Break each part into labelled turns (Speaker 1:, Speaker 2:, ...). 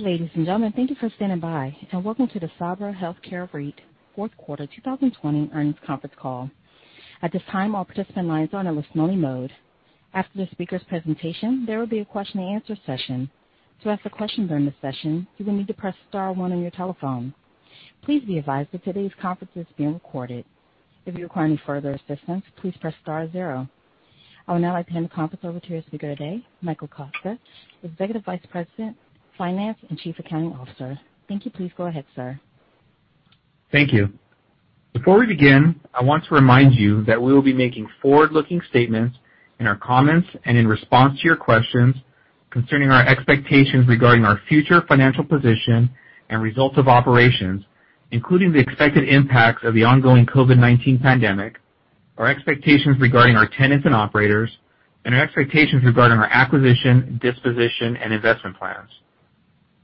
Speaker 1: Ladies and gentlemen, thank you for standing by and welcome to the Sabra Health Care REIT fourth quarter 2020 earnings conference call. At this time, all participant lines are in a listen-only mode. After the speakers' presentation, there will be a question and answer session. To ask a question during the session, you will need to press star one on your telephone. Please be advised that today's conference is being recorded. If you require any further assistance, please press star zero. I will now hand the conference over to your speaker today, Michael Costa, Executive Vice President, Finance, and Chief Accounting Officer. Thank you. Please go ahead, sir.
Speaker 2: Thank you. Before we begin, I want to remind you that we will be making forward-looking statements in our comments and in response to your questions concerning our expectations regarding our future financial position and results of operations, including the expected impacts of the ongoing COVID-19 pandemic, our expectations regarding our tenants and operators, and our expectations regarding our acquisition, disposition, and investment plans.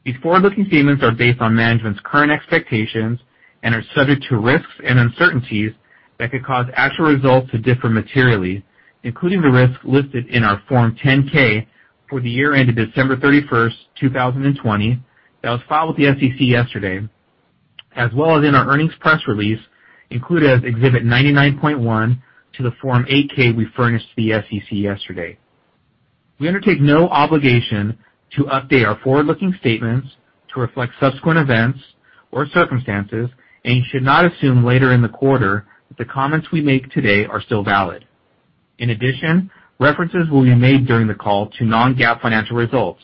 Speaker 2: These forward-looking statements are based on management's current expectations and are subject to risks and uncertainties that could cause actual results to differ materially, including the risks listed in our Form 10-K for the year ended December 31st, 2020, that was filed with the SEC yesterday, as well as in our earnings press release, included as Exhibit 99.1 to the Form 8-K we furnished to the SEC yesterday. We undertake no obligation to update our forward-looking statements to reflect subsequent events or circumstances, and you should not assume later in the quarter that the comments we make today are still valid. In addition, references will be made during the call to non-GAAP financial results.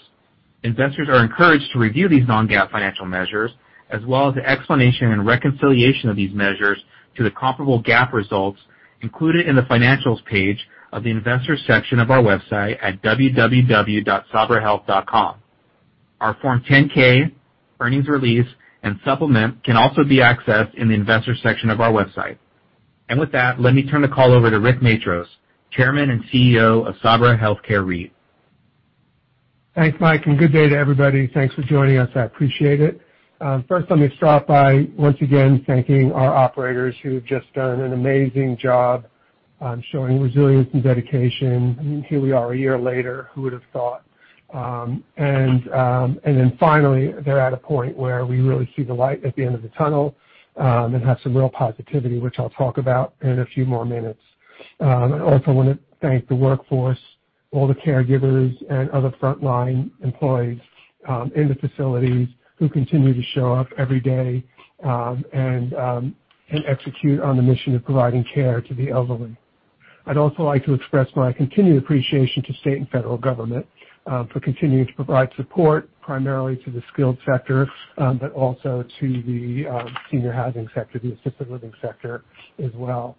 Speaker 2: Investors are encouraged to review these non-GAAP financial measures, as well as the explanation and reconciliation of these measures to the comparable GAAP results included in the financials page of the investor section of our website at www.sabrahealth.com. Our Form 10-K, earnings release, and supplement can also be accessed in the investor section of our website. With that, let me turn the call over to Rick Matros, Chairman and CEO of Sabra Health Care REIT.
Speaker 3: Thanks, Mike. Good day to everybody. Thanks for joining us. I appreciate it. First, let me start by once again thanking our operators who have just done an amazing job showing resilience and dedication. Here we are a year later, who would've thought? Finally, they're at a point where we really see the light at the end of the tunnel, and have some real positivity, which I'll talk about in a few more minutes. I also want to thank the workforce, all the caregivers, and other frontline employees in the facilities who continue to show up every day and execute on the mission of providing care to the elderly. I'd also like to express my continued appreciation to state and federal government for continuing to provide support, primarily to the skilled sector, but also to the senior housing sector, the assisted living sector as well.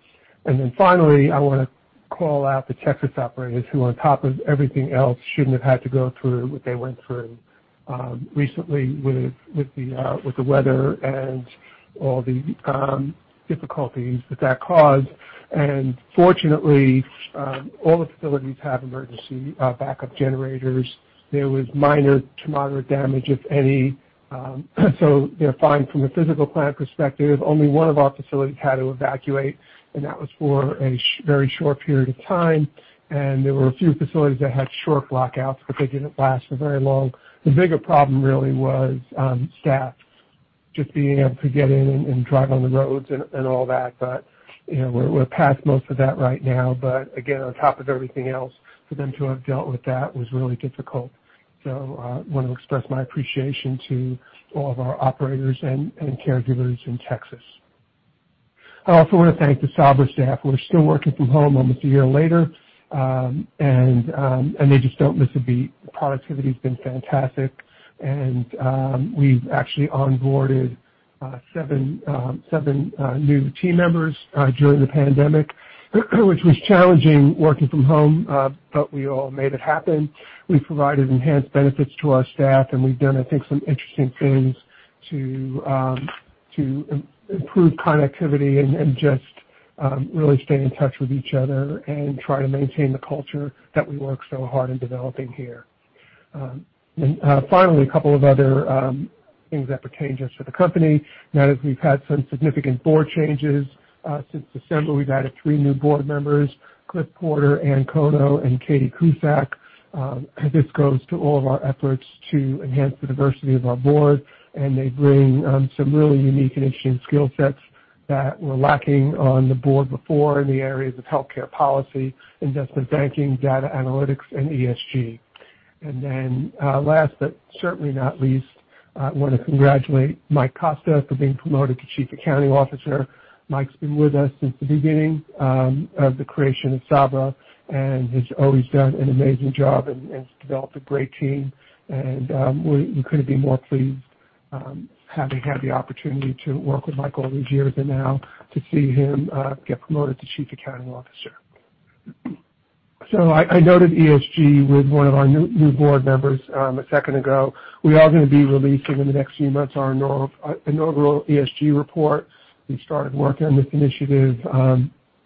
Speaker 3: Finally, I want to call out the Texas operators who on top of everything else, shouldn't have had to go through what they went through recently with the weather and all the difficulties that that caused. Fortunately, all the facilities have emergency backup generators. There was minor to moderate damage, if any, they're fine from a physical plant perspective. Only one of our facilities had to evacuate, that was for a very short period of time. There were a few facilities that had short lockouts, they didn't last for very long. The bigger problem really was staff just being able to get in and drive on the roads and all that. We're past most of that right now. Again, on top of everything else, for them to have dealt with that was really difficult. I want to express my appreciation to all of our operators and caregivers in Texas. I also want to thank the Sabra staff, who are still working from home almost a year later. They just don't miss a beat. Productivity's been fantastic. We've actually onboarded seven new team members during the pandemic, which was challenging working from home, but we all made it happen. We provided enhanced benefits to our staff, and we've done, I think, some interesting things to improve connectivity and just really stay in touch with each other and try to maintain the culture that we worked so hard in developing here. Finally, a couple of other things that pertain just to the company, note that we've had some significant board changes. Since December, we've added three new board members, Cliff Porter, Ann Kono, and Katie Cusack. This goes to all of our efforts to enhance the diversity of our board, they bring some really unique and interesting skill sets that were lacking on the board before in the areas of healthcare policy, investment banking, data analytics, and ESG. Last but certainly not least, I want to congratulate Mike Costa for being promoted to Chief Accounting Officer. Mike's been with us since the beginning of the creation of Sabra and has always done an amazing job and has developed a great team. We couldn't be more pleased having had the opportunity to work with Mike all these years and now to see him get promoted to Chief Accounting Officer. I noted ESG with one of our new board members a second ago. We are going to be releasing in the next few months our inaugural ESG report. We started working on this initiative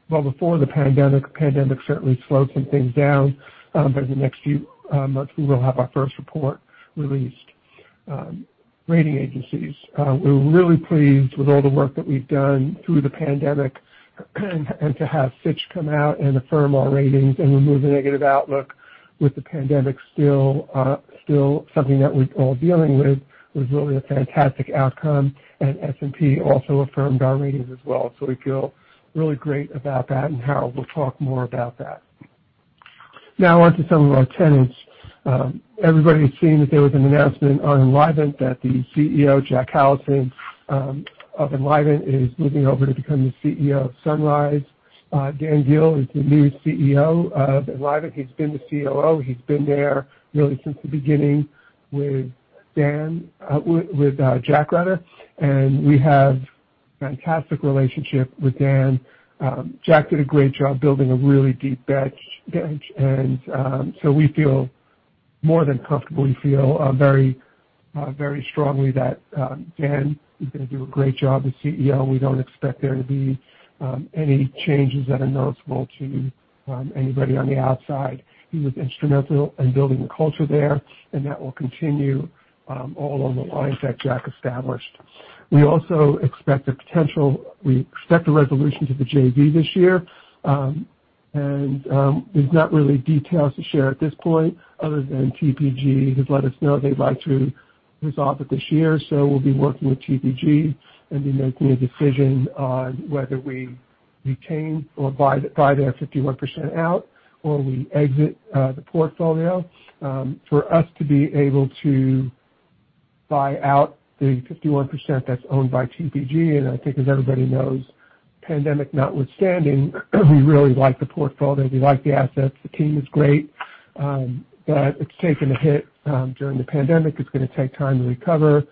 Speaker 3: well before the pandemic. The pandemic certainly slowed some things down, but in the next few months, we will have our first report released. Rating agencies. We're really pleased with all the work that we've done through the pandemic, and to have Fitch come out and affirm our ratings and remove the negative outlook with the pandemic still something that we're all dealing with, was really a fantastic outcome. S&P also affirmed our ratings as well. We feel really great about that, and Harold will talk more about that. Now on to some of our tenants. Everybody has seen that there was an announcement on Enlivant that the CEO, Jack Callison of Enlivant, is moving over to become the CEO of Sunrise. Dan Guill is the new CEO of Enlivant. He's been the COO. He's been there really since the beginning with Jack rather. We have fantastic relationship with Dan. Jack did a great job building a really deep bench. We feel more than comfortable. We feel very strongly that Dan is going to do a great job as CEO. We don't expect there to be any changes that are noticeable to anybody on the outside. He was instrumental in building the culture there. That will continue all along the lines that Jack established. We also expect a potential resolution to the JV this year. There's not really details to share at this point other than TPG has let us know they'd like to resolve it this year. We'll be working with TPG and be making a decision on whether we retain or buy their 51% out, or we exit the portfolio. For us to be able to buy out the 51% that's owned by TPG, I think as everybody knows, pandemic notwithstanding, we really like the portfolio. We like the assets. The team is great. It's taken a hit during the pandemic. It's going to take time to recover.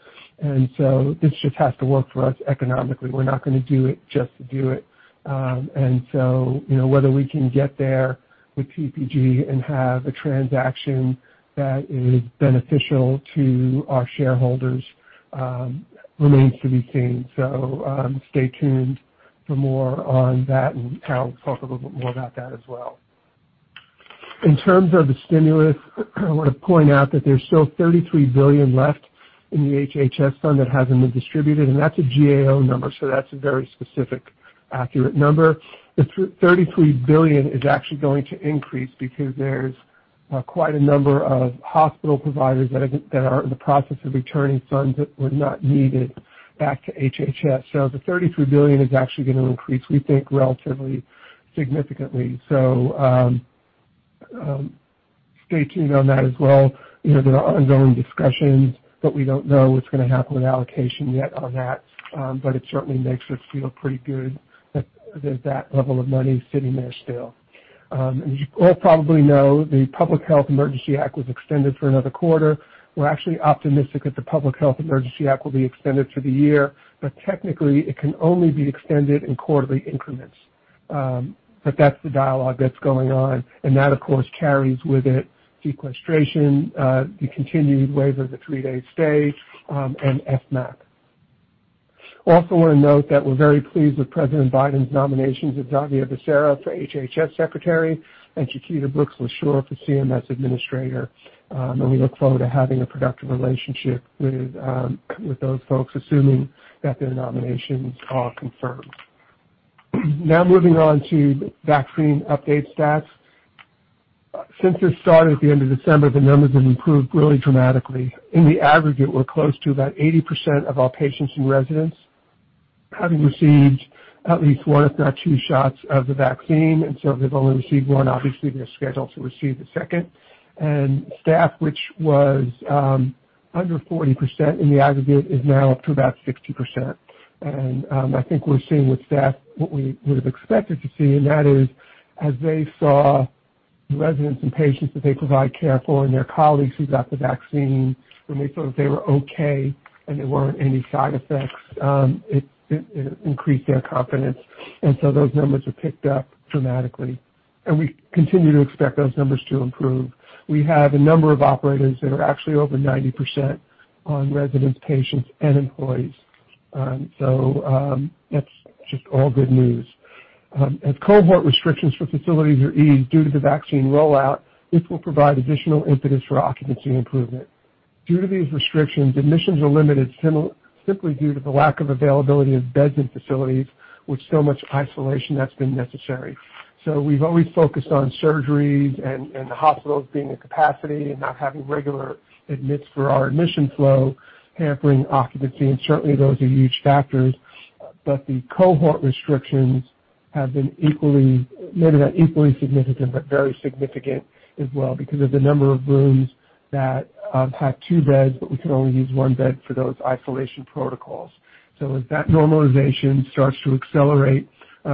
Speaker 3: This just has to work for us economically. We're not going to do it just to do it. Whether we can get there with TPG and have a transaction that is beneficial to our shareholders remains to be seen. Stay tuned for more on that, and Harold will talk a little bit more about that as well. In terms of the stimulus, I want to point out that there's still $33 billion left in the HHS fund that hasn't been distributed, and that's a GAO number, so that's a very specific, accurate number. The $33 billion is actually going to increase because there's quite a number of hospital providers that are in the process of returning funds that were not needed back to HHS. The $33 billion is actually going to increase, we think, relatively significantly. Stay tuned on that as well. There are ongoing discussions, but we don't know what's going to happen with allocation yet on that. It certainly makes us feel pretty good that there's that level of money sitting there still. As you all probably know, the Public Health Service Act was extended for another quarter. We're actually optimistic that the Public Health Service Act will be extended through the year. Technically, it can only be extended in quarterly increments. That's the dialogue that's going on. That, of course, carries with it sequestration, the continued waiver of the three-day stay, and FMAP. We want to note that we're very pleased with President Biden's nominations of Xavier Becerra for HHS Secretary and Chiquita Brooks-LaSure for CMS Administrator. We look forward to having a productive relationship with those folks, assuming that their nominations are confirmed. Moving on to vaccine update stats. Since this started at the end of December, the numbers have improved really dramatically. In the aggregate, we're close to about 80% of our patients and residents having received at least one, if not two shots of the vaccine. If they've only received one, obviously, they're scheduled to receive the second. Staff, which was under 40% in the aggregate, is now up to about 60%. I think we're seeing with staff what we would have expected to see, and that is as they saw residents and patients that they provide care for and their colleagues who got the vaccine, when they saw that they were okay and there weren't any side effects, it increased their confidence. Those numbers have picked up dramatically, and we continue to expect those numbers to improve. We have a number of operators that are actually over 90% on residents, patients, and employees. That's just all good news. As cohort restrictions for facilities are eased due to the vaccine rollout, this will provide additional impetus for occupancy improvement. Due to these restrictions, admissions are limited simply due to the lack of availability of beds in facilities with so much isolation that's been necessary. We've always focused on surgeries and the hospitals being at capacity and not having regular admits for our admission flow hampering occupancy, and certainly, those are huge factors. The cohort restrictions have been maybe not equally significant, but very significant as well because of the number of rooms that have two beds, but we can only use one bed for those isolation protocols. As that normalization starts to accelerate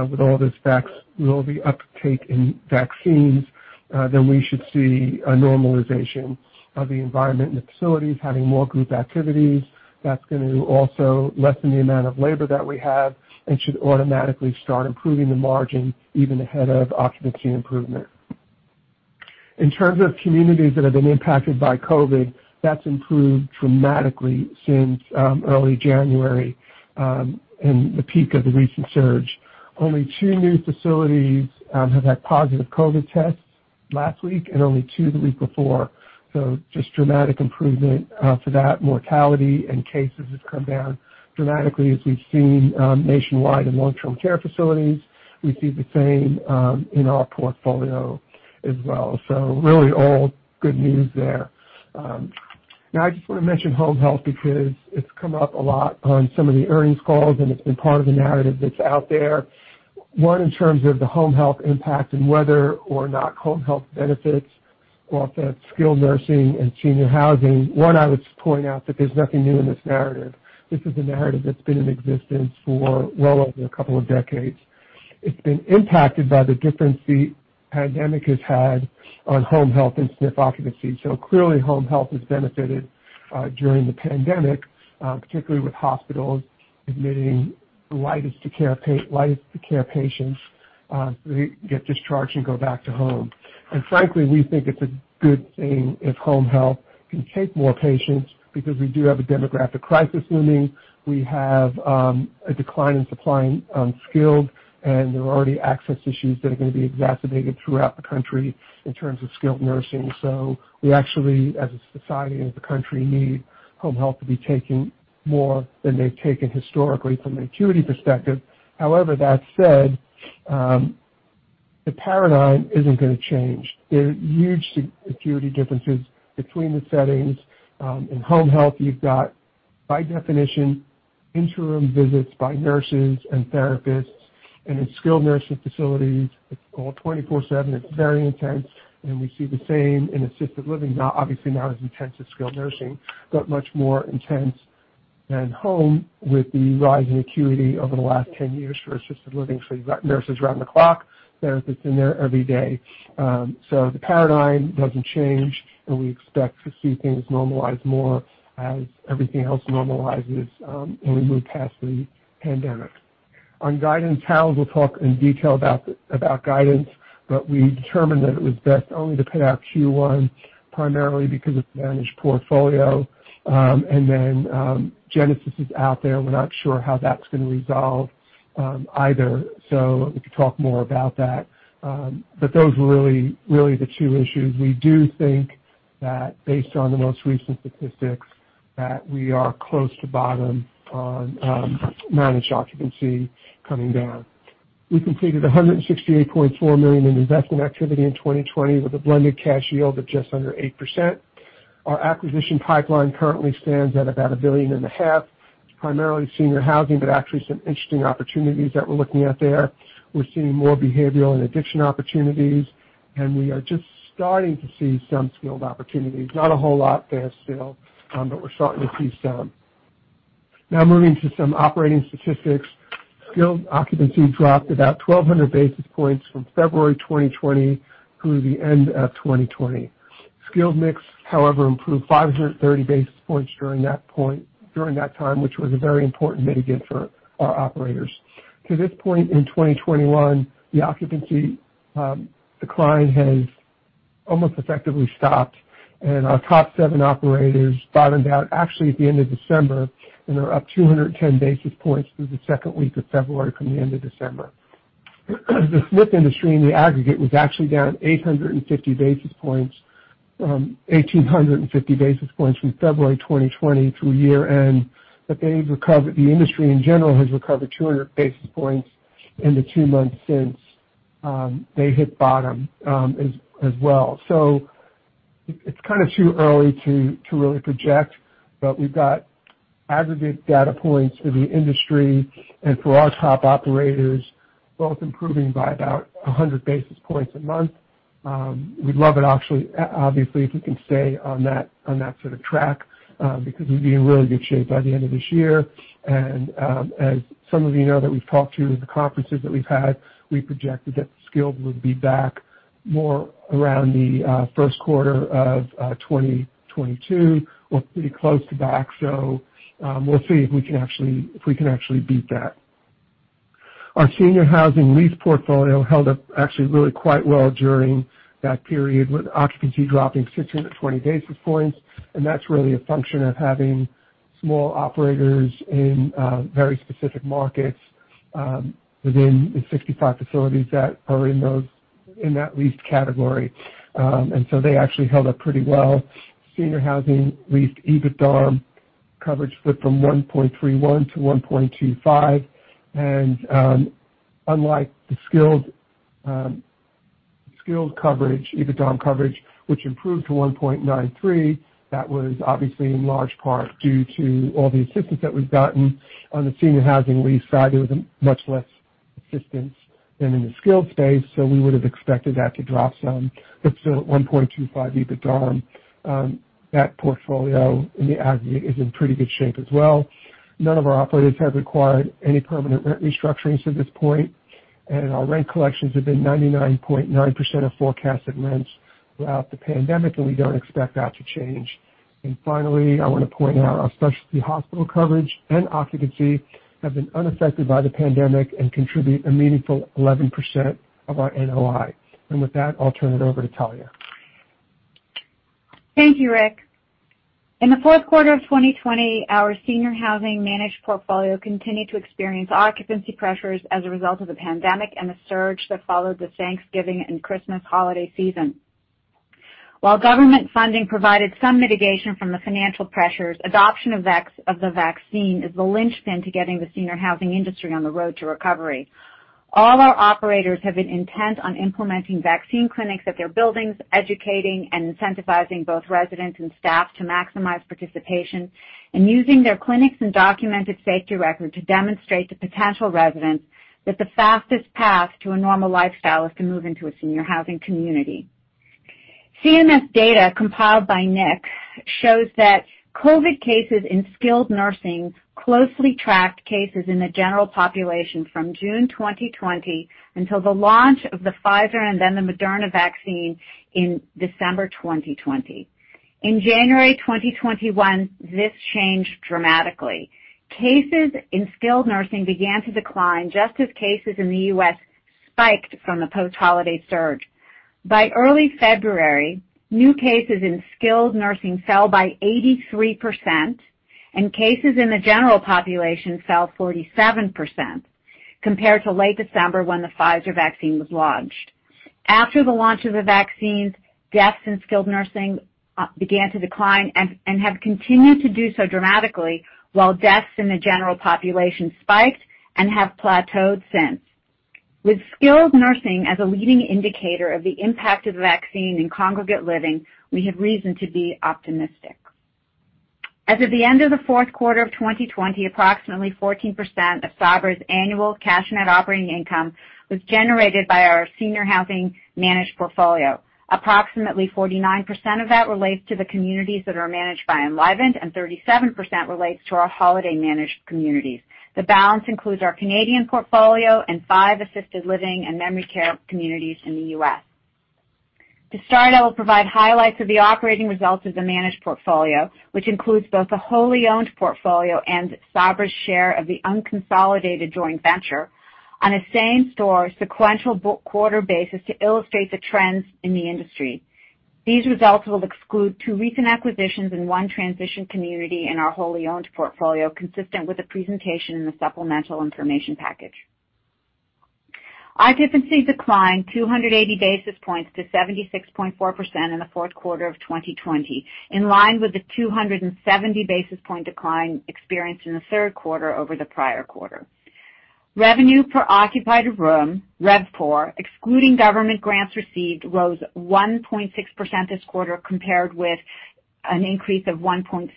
Speaker 3: with all the uptake in vaccines, we should see a normalization of the environment in the facilities, having more group activities. That's going to also lessen the amount of labor that we have and should automatically start improving the margin even ahead of occupancy improvement. In terms of communities that have been impacted by COVID, that's improved dramatically since early January and the peak of the recent surge. Only two new facilities have had positive COVID tests last week and only two the week before. Just dramatic improvement for that mortality and cases has come down dramatically as we've seen nationwide in long-term care facilities. We see the same in our portfolio as well. Really all good news there. Now I just want to mention home health because it's come up a lot on some of the earnings calls and it's been part of the narrative that's out there. One, in terms of the home health impact and whether or not home health benefits offset skilled nursing and senior housing. One, I would point out that there's nothing new in this narrative. This is a narrative that's been in existence for well over a couple of decades. It's been impacted by the difference the pandemic has had on home health and SNF occupancy. Clearly home health has benefited during the pandemic, particularly with hospitals admitting lightest to care patients. They get discharged and go back to home. Frankly, we think it's a good thing if home health can take more patients because we do have a demographic crisis looming. We have a decline in supply in skilled, there are already access issues that are going to be exacerbated throughout the country in terms of skilled nursing. We actually, as a society, as a country, need home health to be taking more than they've taken historically from an acuity perspective. However, that said, the paradigm isn't going to change. There are huge acuity differences between the settings. In home health, you've got, by definition, interim visits by nurses and therapists, and in skilled nursing facilities, it's called 24/7. It's very intense, we see the same in assisted living. Obviously not as intense as skilled nursing, but much more intense than home with the rise in acuity over the last 10 years for assisted living. You've got nurses around the clock, therapists in there every day. The paradigm doesn't change, and we expect to see things normalize more as everything else normalizes, and we move past the pandemic. On guidance, Harold will talk in detail about guidance, but we determined that it was best only to put out Q1 primarily because of managed portfolio. Genesis is out there. We're not sure how that's going to resolve either, so we can talk more about that. Those were really the two issues. We do think that based on the most recent statistics, that we are close to bottom on managed occupancy coming down. We completed $168.4 million in investment activity in 2020 with a blended cash yield of just under 8%. Our acquisition pipeline currently stands at about a billion and a half. It's primarily senior housing, but actually some interesting opportunities that we're looking at there. We're seeing more behavioral and addiction opportunities, and we are just starting to see some skilled opportunities. Not a whole lot there still, but we're starting to see some. Now moving to some operating statistics. Skilled occupancy dropped about 1,200 basis points from February 2020 through the end of 2020. Skilled mix, however, improved 530 basis points during that time, which was a very important mitigate for our operators. To this point in 2021, the occupancy decline has almost effectively stopped, and our top seven operators bottomed out actually at the end of December and are up 210 basis points through the second week of February from the end of December. The SNF industry in the aggregate was actually down 1,850 basis points from February 2020 through year-end. The industry in general has recovered 200 basis points in the two months since they hit bottom as well. It's kind of too early to really project, but we've got aggregate data points for the industry and for our top operators, both improving by about 100 basis points a month. We'd love it obviously if we can stay on that sort of track, because we'd be in really good shape by the end of this year. As some of you know that we've talked to in the conferences that we've had, we projected that skilled would be back more around the first quarter of 2022 or pretty close to back. We'll see if we can actually beat that. Our senior housing lease portfolio held up actually really quite well during that period, with occupancy dropping 620 basis points, and that's really a function of having small operators in very specific markets within the 65 facilities that are in that leased category. They actually held up pretty well. Senior housing leased EBITDA coverage flipped from 1.31-1.25 and unlike the skilled coverage, EBITDA coverage, which improved to 1.93, that was obviously in large part due to all the assistance that we've gotten. On the senior housing lease side, there was much less assistance than in the skilled space, so we would have expected that to drop some. Still at 1.25 EBITDA, that portfolio in the aggregate is in pretty good shape as well. None of our operators have required any permanent rent restructurings to this point, and our rent collections have been 99.9% of forecasted rents throughout the pandemic, and we don't expect that to change. Finally, I want to point out our specialty hospital coverage and occupancy have been unaffected by the pandemic and contribute a meaningful 11% of our NOI. With that, I'll turn it over to Talya.
Speaker 4: Thank you, Rick. In the fourth quarter 2020, our senior housing managed portfolio continued to experience occupancy pressures as a result of the pandemic and the surge that followed the Thanksgiving and Christmas holiday season. While government funding provided some mitigation from the financial pressures, adoption of the vaccine is the linchpin to getting the senior housing industry on the road to recovery. All our operators have been intent on implementing vaccine clinics at their buildings, educating and incentivizing both residents and staff to maximize participation, and using their clinics and documented safety record to demonstrate to potential residents that the fastest path to a normal lifestyle is to move into a senior housing community. CMS data compiled by NIC shows that COVID cases in skilled nursing closely tracked cases in the general population from June 2020 until the launch of the Pfizer and then the Moderna vaccine in December 2020. In January 2021, this changed dramatically. Cases in skilled nursing began to decline just as cases in the U.S. spiked from the post-holiday surge. By early February, new cases in skilled nursing fell by 83%, and cases in the general population fell 47% compared to late December when the Pfizer vaccine was launched. After the launch of the vaccines, deaths in skilled nursing began to decline and have continued to do so dramatically, while deaths in the general population spiked and have plateaued since. With skilled nursing as a leading indicator of the impact of the vaccine in congregate living, we have reason to be optimistic. As of the end of the fourth quarter 2020, approximately 14% of Sabra's annual Cash Net Operating Income was generated by our senior housing managed portfolio. Approximately 49% of that relates to the communities that are managed by Enlivant, and 37% relates to our Holiday managed communities. The balance includes our Canadian portfolio and five assisted living and memory care communities in the U.S. To start, I will provide highlights of the operating results of the managed portfolio, which includes both the wholly owned portfolio and Sabra's share of the unconsolidated joint venture on a same-store sequential book quarter basis to illustrate the trends in the industry. These results will exclude two recent acquisitions and one transition community in our wholly owned portfolio, consistent with the presentation in the supplemental information package. Occupancy declined 280 basis points to 76.4% in the fourth quarter of 2020, in line with the 270 basis point decline experienced in the third quarter over the prior quarter. Revenue per occupied room, RevPOR, excluding government grants received, rose 1.6% this quarter compared with an increase of 1.7%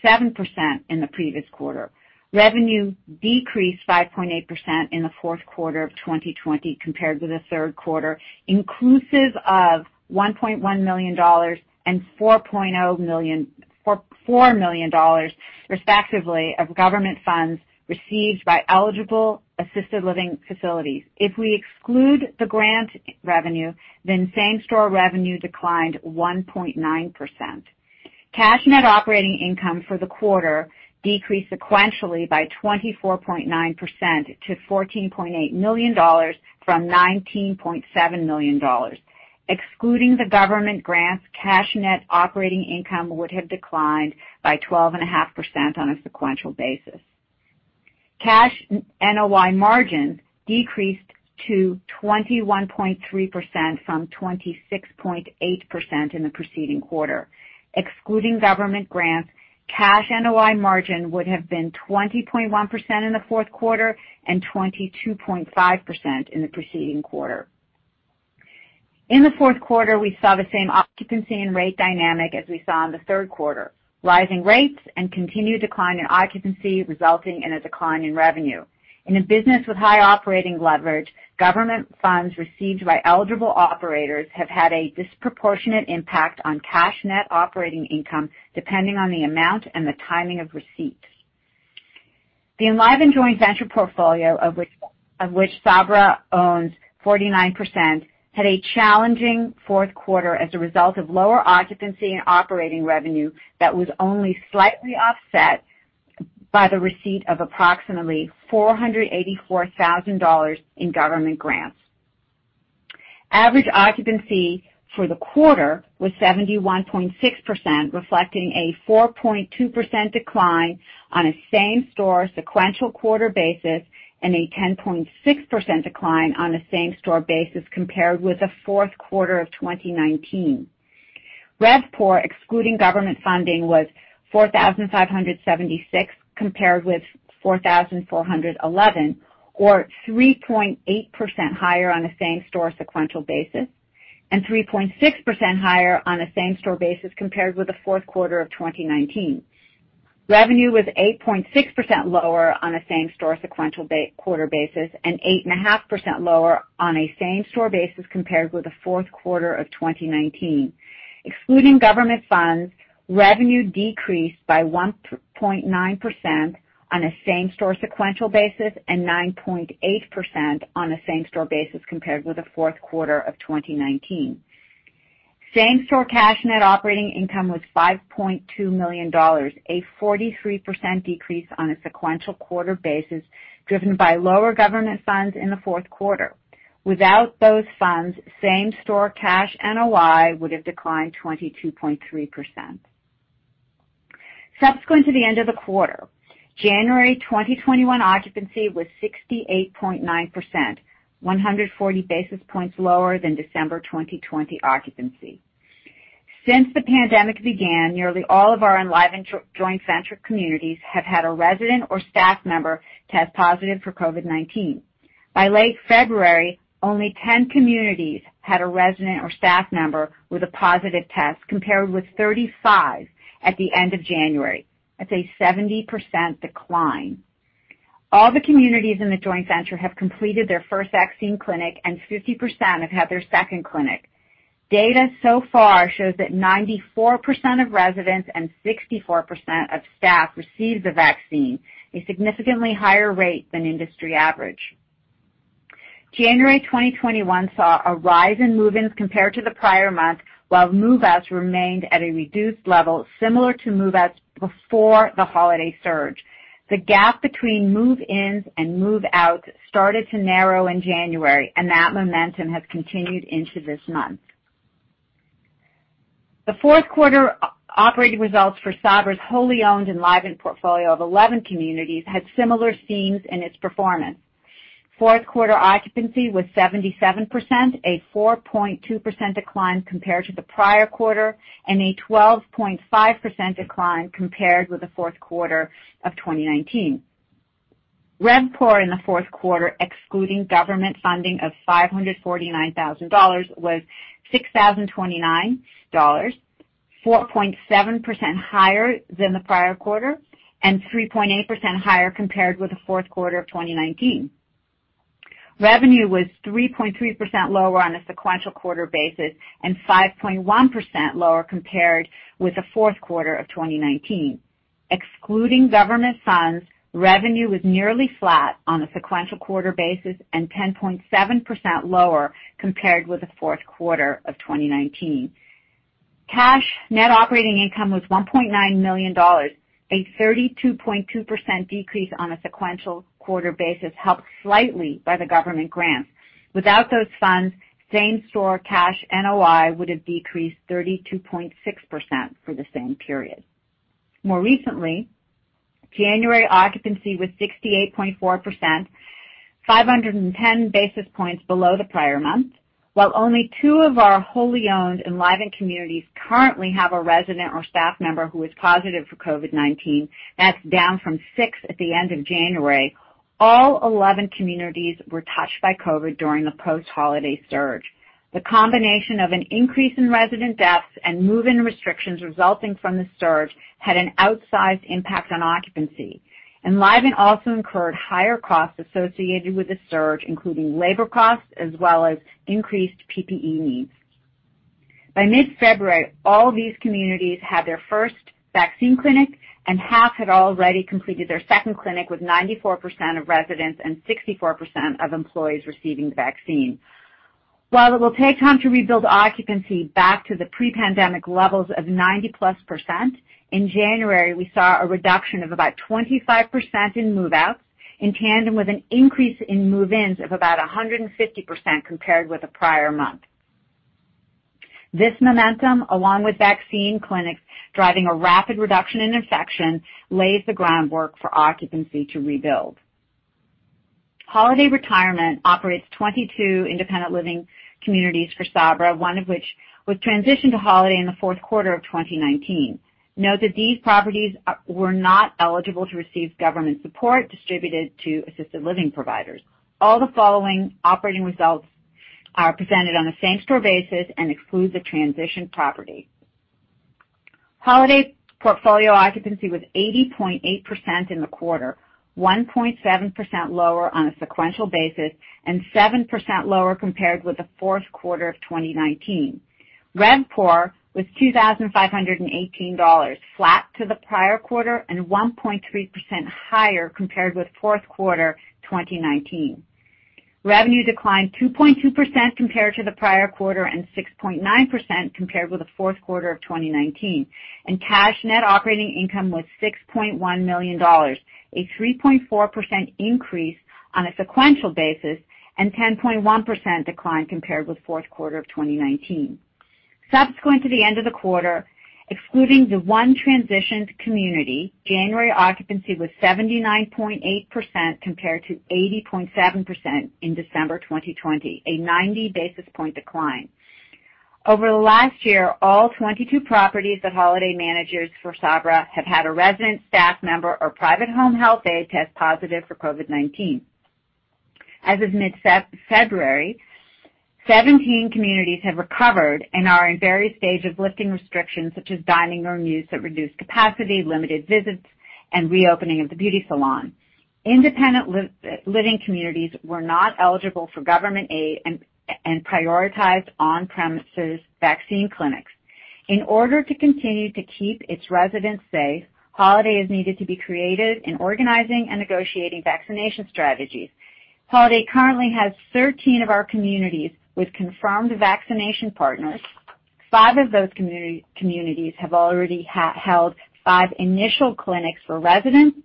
Speaker 4: in the previous quarter. Revenue decreased 5.8% in the fourth quarter of 2020 compared to the third quarter, inclusive of $1.1 million and $4 million respectively of government funds received by eligible assisted living facilities. If we exclude the grant revenue, same-store revenue declined 1.9%. Cash Net Operating Income for the quarter decreased sequentially by 24.9% to $14.8 million from $19.7 million. Excluding the government grants, Cash Net Operating Income would have declined by 12.5% on a sequential basis. Cash NOI margin decreased to 21.3% from 26.8% in the preceding quarter. Excluding government grants, Cash NOI margin would have been 20.1% in the fourth quarter and 22.5% in the preceding quarter. In the fourth quarter, we saw the same occupancy and rate dynamic as we saw in the third quarter. Rising rates and continued decline in occupancy, resulting in a decline in revenue. In a business with high operating leverage, government funds received by eligible operators have had a disproportionate impact on Cash Net Operating Income, depending on the amount and the timing of receipts. The Enlivant joint venture portfolio, of which Sabra owns 49%, had a challenging fourth quarter as a result of lower occupancy and operating revenue that was only slightly offset by the receipt of approximately $484,000 in government grants. Average occupancy for the quarter was 71.6%, reflecting a 4.2% decline on a same-store sequential quarter basis and a 10.6% decline on a same-store basis compared with the fourth quarter of 2019. RevPOR, excluding government funding, was 4,576 compared with 4,411, or 3.8% higher on a same-store sequential basis, and 3.6% higher on a same-store basis compared with the fourth quarter of 2019. Revenue was 8.6% lower on a same-store sequential quarter basis and 8.5% lower on a same-store basis compared with the fourth quarter of 2019. Excluding government funds, revenue decreased by 1.9% on a same-store sequential basis and 9.8% on a same-store basis compared with the fourth quarter of 2019. Same-store Cash Net Operating Income was $5.2 million, a 43% decrease on a sequential quarter basis, driven by lower government funds in the fourth quarter. Without those funds, same-store Cash NOI would have declined 22.3%. Subsequent to the end of the quarter, January 2021 occupancy was 68.9%, 140 basis points lower than December 2020 occupancy. Since the pandemic began, nearly all of our Enlivant JV communities have had a resident or staff member test positive for COVID-19. By late February, only 10 communities had a resident or staff member with a positive test, compared with 35 at the end of January. That's a 70% decline. All the communities in the joint venture have completed their first vaccine clinic, and 50% have had their second clinic. Data so far shows that 94% of residents and 64% of staff received the vaccine, a significantly higher rate than industry average. January 2021 saw a rise in move-ins compared to the prior month, while move-outs remained at a reduced level, similar to move-outs before the holiday surge. The gap between move-ins and move-outs started to narrow in January, and that momentum has continued into this month. The fourth quarter operating results for Sabra's wholly owned Enlivant portfolio of 11 communities had similar themes in its performance. Fourth quarter occupancy was 77%, a 4.2% decline compared to the prior quarter and a 12.5% decline compared with the fourth quarter of 2019. RevPOR in the fourth quarter, excluding government funding of $549,000, was $6,029, 4.7% higher than the prior quarter and 3.8% higher compared with the fourth quarter of 2019. Revenue was 3.3% lower on a sequential quarter basis and 5.1% lower compared with the fourth quarter of 2019. Excluding government funds, revenue was nearly flat on a sequential quarter basis and 10.7% lower compared with the fourth quarter of 2019. Cash Net Operating Income was $1.9 million, a 32.2% decrease on a sequential quarter basis, helped slightly by the government grants. Without those funds, same-store Cash NOI would have decreased 32.6% for the same period. More recently, January occupancy was 68.4%, 510 basis points below the prior month. While only two of our wholly owned Enlivant communities currently have a resident or staff member who is positive for COVID-19, that's down from six at the end of January. All 11 communities were touched by COVID during the post-holiday surge. The combination of an increase in resident deaths and move-in restrictions resulting from the surge had an outsized impact on occupancy. Enlivant also incurred higher costs associated with the surge, including labor costs as well as increased PPE needs. By mid-February, all these communities had their first vaccine clinic, and half had already completed their second clinic, with 94% of residents and 64% of employees receiving the vaccine. While it will take time to rebuild occupancy back to the pre-pandemic levels of 90%+, in January, we saw a reduction of about 25% in move-outs, in tandem with an increase in move-ins of about 150% compared with the prior month. This momentum, along with vaccine clinics driving a rapid reduction in infections, lays the groundwork for occupancy to rebuild. Holiday Retirement operates 22 independent living communities for Sabra, one of which was transitioned to Holiday in the fourth quarter of 2019. Note that these properties were not eligible to receive government support distributed to assisted living providers. All the following operating results are presented on a same-store basis and exclude the transitioned property. Holiday portfolio occupancy was 80.8% in the quarter, 1.7% lower on a sequential basis and 7% lower compared with the fourth quarter of 2019. RevPOR was $2,518, flat to the prior quarter and 1.3% higher compared with fourth quarter 2019. Revenue declined 2.2% compared to the prior quarter and 6.9% compared with the fourth quarter of 2019. Cash Net Operating Income was $6.1 million, a 3.4% increase on a sequential basis and 10.1% decline compared with fourth quarter of 2019. Subsequent to the end of the quarter, excluding the one transitioned community, January occupancy was 79.8% compared to 80.7% in December 2020, a 90 basis point decline. Over the last year, all 22 properties that Holiday manages for Sabra have had a resident, staff member, or private home health aide test positive for COVID-19. As of mid-February, 17 communities have recovered and are in various stages of lifting restrictions, such as dining room use at reduced capacity, limited visits, and reopening of the beauty salon. Independent living communities were not eligible for government aid and prioritized on-premises vaccine clinics. In order to continue to keep its residents safe, Holiday has needed to be creative in organizing and negotiating vaccination strategies. Holiday currently has 13 of our communities with confirmed vaccination partners. Five of those communities have already held five initial clinics for residents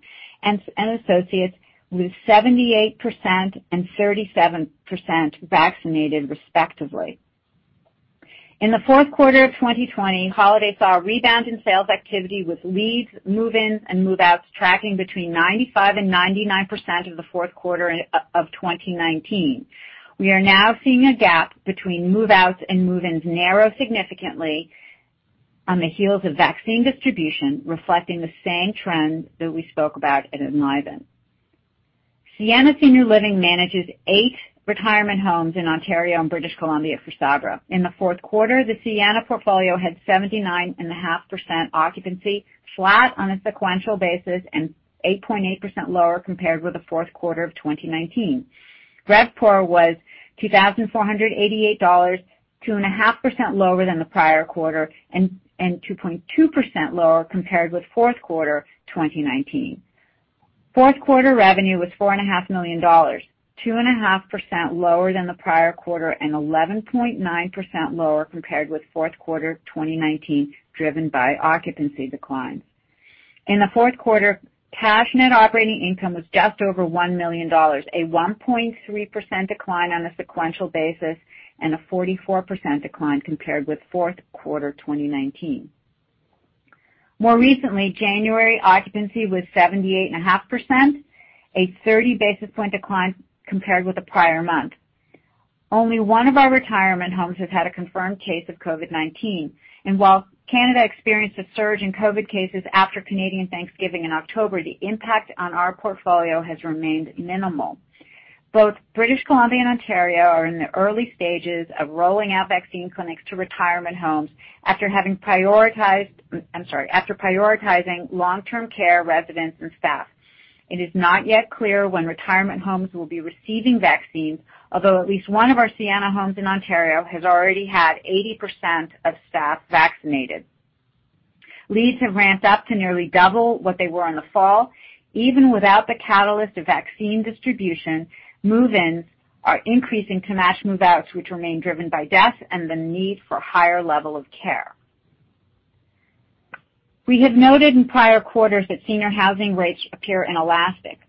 Speaker 4: and associates, with 78% and 37% vaccinated respectively. In the fourth quarter of 2020, Holiday saw a rebound in sales activity with leads, move-ins, and move-outs tracking between 95% and 99% of the fourth quarter of 2019. We are now seeing a gap between move-outs and move-ins narrow significantly on the heels of vaccine distribution, reflecting the same trends that we spoke about at Enlivant. Sienna Senior Living manages eight retirement homes in Ontario and British Columbia for Sabra. In the fourth quarter, the Sienna portfolio had 79.5% occupancy, flat on a sequential basis, and 8.8% lower compared with the fourth quarter of 2019. RevPOR was $2,488, 2.5% lower than the prior quarter and 2.2% lower compared with fourth quarter 2019. Fourth quarter revenue was $4.5 million, 2.5% lower than the prior quarter and 11.9% lower compared with fourth quarter 2019, driven by occupancy declines. In the fourth quarter, Cash Net Operating Income was just over $1 million, a 1.3% decline on a sequential basis and a 44% decline compared with fourth quarter 2019. More recently, January occupancy was 78.5%, a 30 basis point decline compared with the prior month. Only one of our retirement homes has had a confirmed case of COVID-19. While Canada experienced a surge in COVID cases after Canadian Thanksgiving in October, the impact on our portfolio has remained minimal. Both British Columbia and Ontario are in the early stages of rolling out vaccine clinics to retirement homes after prioritizing long-term care residents and staff. It is not yet clear when retirement homes will be receiving vaccines, although at least one of our Sienna homes in Ontario has already had 80% of staff vaccinated. Leads have ramped up to nearly double what they were in the fall. Even without the catalyst of vaccine distribution, move-ins are increasing to match move-outs, which remain driven by death and the need for higher level of care. We have noted in prior quarters that senior housing rates appear inelastic.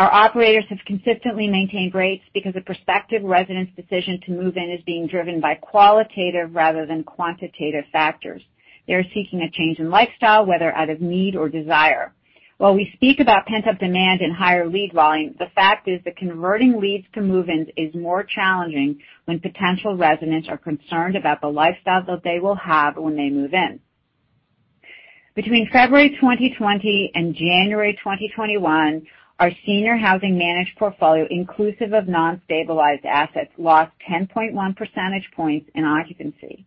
Speaker 4: Our operators have consistently maintained rates because a prospective resident's decision to move in is being driven by qualitative rather than quantitative factors. They are seeking a change in lifestyle, whether out of need or desire. While we speak about pent-up demand and higher lead volume, the fact is that converting leads to move-ins is more challenging when potential residents are concerned about the lifestyle that they will have when they move in. Between February 2020 and January 2021, our senior housing managed portfolio, inclusive of non-stabilized assets, lost 10.1 percentage points in occupancy.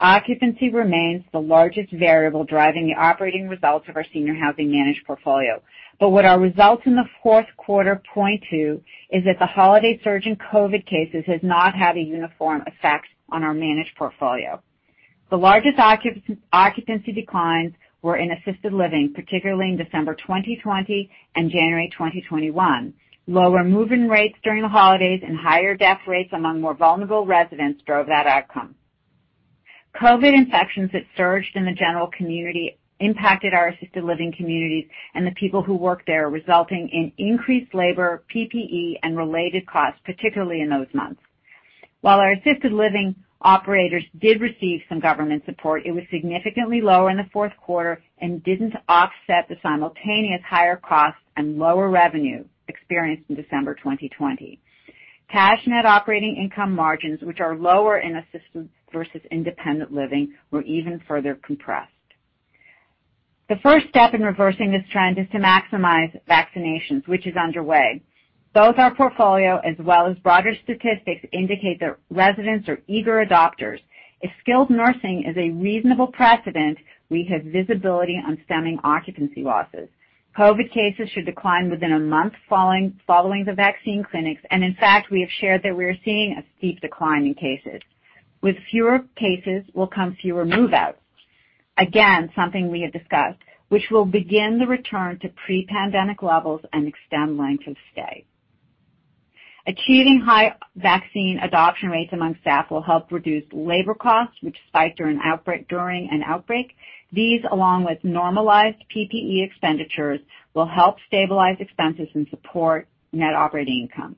Speaker 4: Occupancy remains the largest variable driving the operating results of our senior housing managed portfolio. What our results in the fourth quarter point to is that the holiday surge in COVID cases has not had a uniform effect on our managed portfolio. The largest occupancy declines were in assisted living, particularly in December 2020 and January 2021. Lower move-in rates during the holidays and higher death rates among more vulnerable residents drove that outcome. COVID infections that surged in the general community impacted our assisted living communities and the people who work there, resulting in increased labor, PPE, and related costs, particularly in those months. While our assisted living operators did receive some government support, it was significantly lower in the fourth quarter and didn't offset the simultaneous higher costs and lower revenue experienced in December 2020. Cash Net Operating Income margins, which are lower in assisted versus independent living, were even further compressed. The first step in reversing this trend is to maximize vaccinations, which is underway. Both our portfolio as well as broader statistics indicate that residents are eager adopters. If skilled nursing is a reasonable precedent, we have visibility on stemming occupancy losses. COVID cases should decline within a month following the vaccine clinics, and in fact, we have shared that we are seeing a steep decline in cases. With fewer cases will come fewer move-outs, again, something we have discussed, which will begin the return to pre-pandemic levels and extend length of stay. Achieving high vaccine adoption rates among staff will help reduce labor costs, which spike during an outbreak. These, along with normalized PPE expenditures, will help stabilize expenses and support net operating income.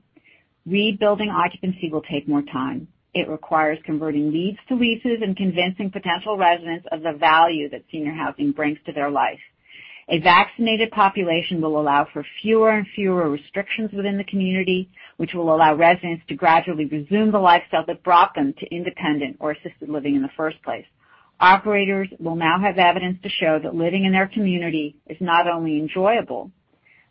Speaker 4: Rebuilding occupancy will take more time. It requires converting leads to leases and convincing potential residents of the value that senior housing brings to their life. A vaccinated population will allow for fewer and fewer restrictions within the community, which will allow residents to gradually resume the lifestyle that brought them to independent or assisted living in the first place. Operators will now have evidence to show that living in their community is not only enjoyable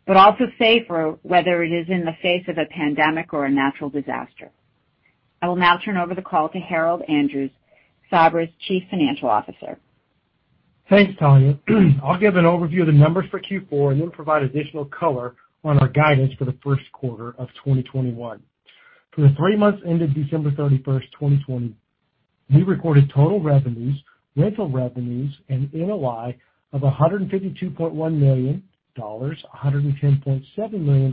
Speaker 4: but also safer, whether it is in the face of a pandemic or a natural disaster. I will now turn over the call to Harold Andrews, Sabra's Chief Financial Officer.
Speaker 5: Thanks, Talya. I'll give an overview of the numbers for Q4 and then provide additional color on our guidance for the first quarter of 2021. For the three months ended December 31st, 2020, we recorded total revenues, rental revenues, and NOI of $152.1 million, $110.7 million,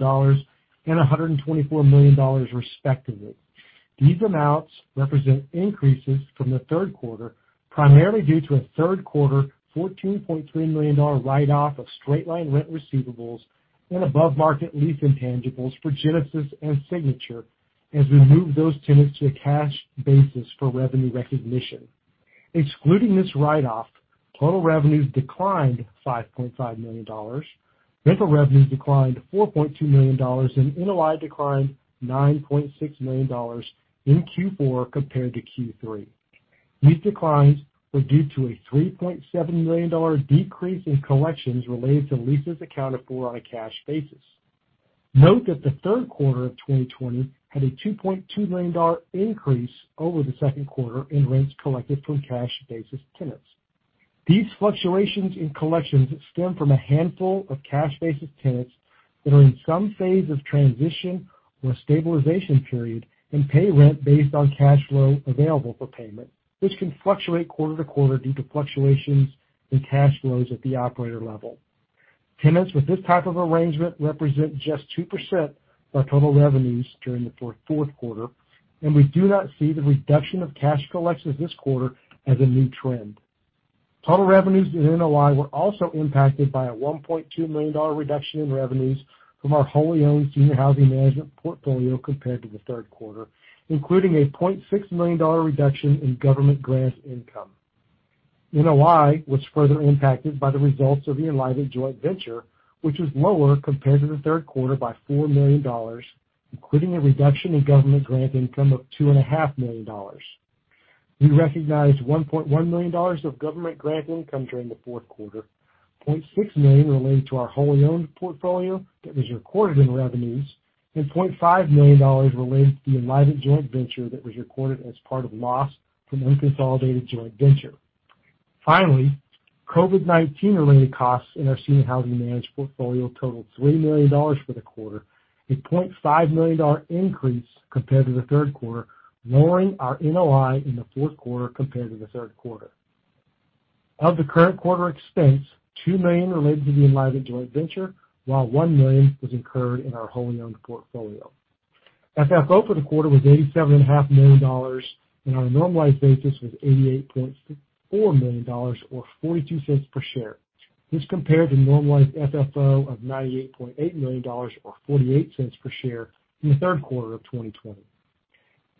Speaker 5: and $124 million respectively. These amounts represent increases from the third quarter, primarily due to a third quarter $14.3 million write-off of straight-line rent receivables and above-market lease intangibles for Genesis and Signature as we moved those tenants to a cash basis for revenue recognition. Excluding this write-off, total revenues declined $5.5 million, rental revenues declined $4.2 million, and NOI declined $9.6 million in Q4 compared to Q3. These declines were due to a $3.7 million decrease in collections related to leases accounted for on a cash basis. Note that the third quarter of 2020 had a $2.2 million increase over the second quarter in rents collected from cash-basis tenants. These fluctuations in collections stem from a handful of cash-basis tenants that are in some phase of transition or stabilization period and pay rent based on cash flow available for payment. This can fluctuate quarter-to-quarter due to fluctuations in cash flows at the operator level. Tenants with this type of arrangement represent just 2% of our total revenues during the fourth quarter, and we do not see the reduction of cash collections this quarter as a new trend. Total revenues and NOI were also impacted by a $1.2 million reduction in revenues from our wholly owned senior housing management portfolio compared to the third quarter, including a $0.6 million reduction in government grant income. NOI was further impacted by the results of the Enlivant joint venture, which was lower compared to the third quarter by $4 million, including a reduction in government grant income of $2.5 million. We recognized $1.1 million of government grant income during the fourth quarter, $0.6 million related to our wholly owned portfolio that was recorded in revenues, and $0.5 million related to the Enlivant joint venture that was recorded as part of loss from unconsolidated joint venture. Finally, COVID-19 related costs in our senior housing managed portfolio totaled $3 million for the quarter, a $0.5 million increase compared to the third quarter, lowering our NOI in the fourth quarter compared to the third quarter. Of the current quarter expense, $2 million related to the Enlivant joint venture, while $1 million was incurred in our wholly owned portfolio. FFO for the quarter was $87.5 million, and on a normalized basis was $88.4 million or $0.42 per share. This compared to normalized FFO of $98.8 million or $0.48 per share in the third quarter of 2020.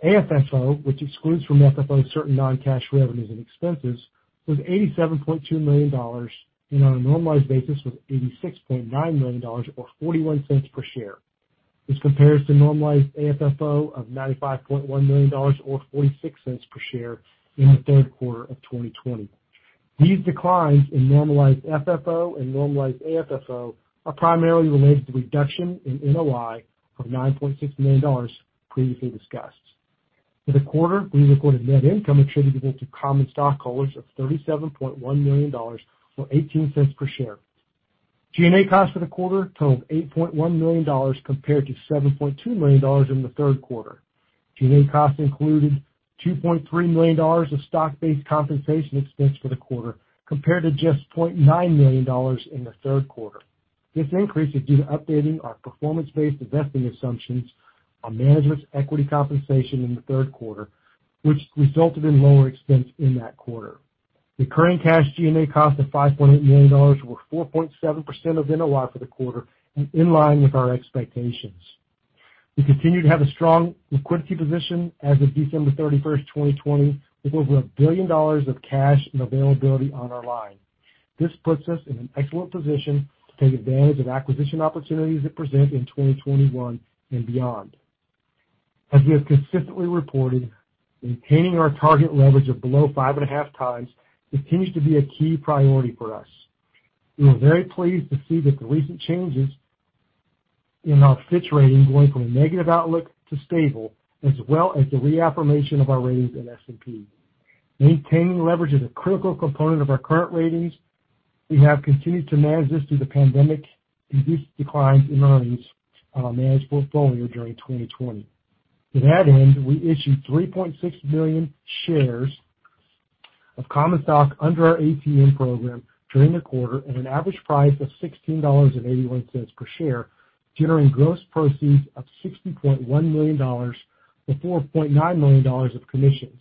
Speaker 5: AFFO, which excludes from FFO certain non-cash revenues and expenses, was $87.2 million, and on a normalized basis was $86.9 million or $0.41 per share. This compares to normalized AFFO of $95.1 million or $0.46 per share in the third quarter of 2020. These declines in normalized FFO and normalized AFFO are primarily related to the reduction in NOI of $9.6 million previously discussed. For the quarter, we recorded net income attributable to common stockholders of $37.1 million or $0.18 per share. G&A costs for the quarter totaled $8.1 million compared to $7.2 million in the third quarter. G&A costs included $2.3 million of stock-based compensation expense for the quarter, compared to just $0.9 million in the third quarter. This increase is due to updating our performance-based vesting assumptions on management's equity compensation in the third quarter, which resulted in lower expense in that quarter. The current cash G&A cost of $5.8 million was 4.7% of NOI for the quarter and in line with our expectations. We continue to have a strong liquidity position as of December 31st, 2020, with over $1 billion of cash and availability on our line. This puts us in an excellent position to take advantage of acquisition opportunities that present in 2021 and beyond. As we have consistently reported, maintaining our target leverage of below 5.5 times continues to be a key priority for us. We were very pleased to see that the recent changes in our Fitch Ratings going from a negative outlook to stable, as well as the reaffirmation of our ratings in S&P. Maintaining leverage is a critical component of our current ratings. We have continued to manage this through the pandemic-induced declines in earnings on our managed portfolio during 2020. To that end, we issued 3.6 million shares of common stock under our ATM program during the quarter at an average price of $16.81 per share, generating gross proceeds of $60.1 million before $0.9 million of commissions.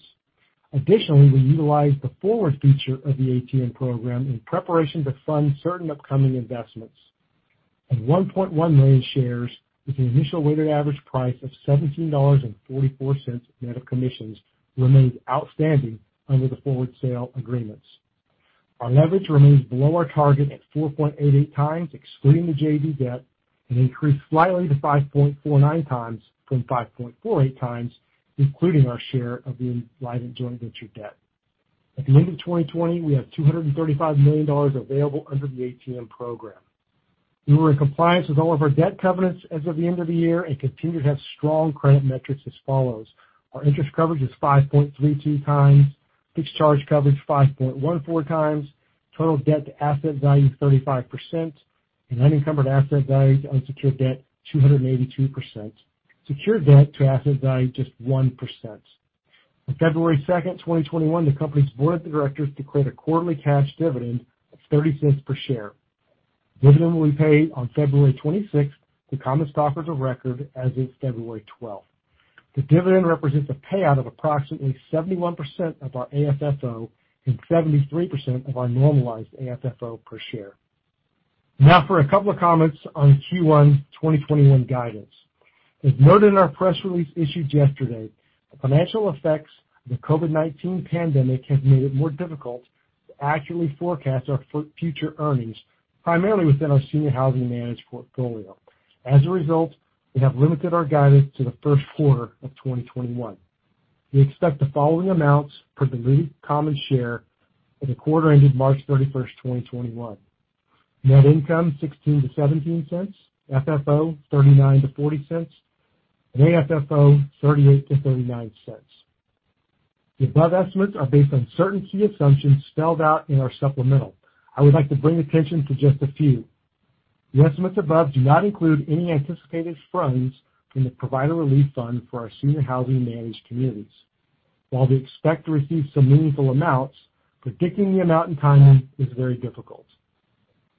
Speaker 5: Additionally, we utilized the forward feature of the ATM program in preparation to fund certain upcoming investments, and 1.1 million shares with an initial weighted average price of $17.44 net of commissions remains outstanding under the forward sale agreements. Our leverage remains below our target at 4.88x, excluding the JV debt, and increased slightly to 5.49x from 5.48x, including our share of the Enlivant joint venture debt. At the end of 2020, we have $235 million available under the ATM program. We were in compliance with all of our debt covenants as of the end of the year and continue to have strong credit metrics as follows. Our interest coverage is 5.32x, fixed charge coverage 5.14x, total debt to asset value 35%, and unencumbered asset value to unsecured debt 282%, secured debt to asset value just 1%. On February 2nd, 2021, the company's board of directors declared a quarterly cash dividend of $0.30 per share. Dividend will be paid on February 26th to common stockholders of record as of February 12th. The dividend represents a payout of approximately 71% of our AFFO and 73% of our normalized AFFO per share. For a couple of comments on Q1 2021 guidance. As noted in our press release issued yesterday, the financial effects of the COVID-19 pandemic have made it more difficult to accurately forecast our future earnings, primarily within our senior housing managed portfolio. We have limited our guidance to the first quarter of 2021. We expect the following amounts per diluted common share for the quarter ending March 31st, 2021. Net income, $0.16-$0.17, FFO, $0.39-$0.40, and AFFO, $0.38-$0.39. The above estimates are based on certain key assumptions spelled out in our supplemental. I would like to bring attention to just a few. The estimates above do not include any anticipated funds from the Provider Relief Fund for our senior housing managed communities. While we expect to receive some meaningful amounts, predicting the amount and timing is very difficult.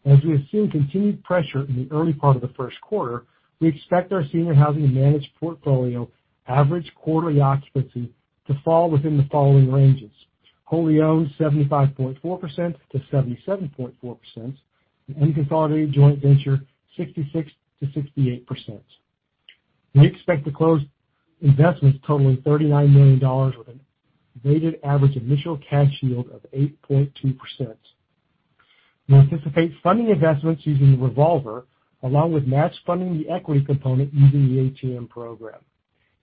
Speaker 5: As we assume continued pressure in the early part of the first quarter, we expect our senior housing managed portfolio average quarterly occupancy to fall within the following ranges: wholly owned, 75.4%-77.4%, and unconsolidated joint venture, 66%-68%. We expect to close investments totaling $39 million with an weighted average initial cash yield of 8.2%. We anticipate funding investments using the revolver, along with match funding the equity component using the ATM program.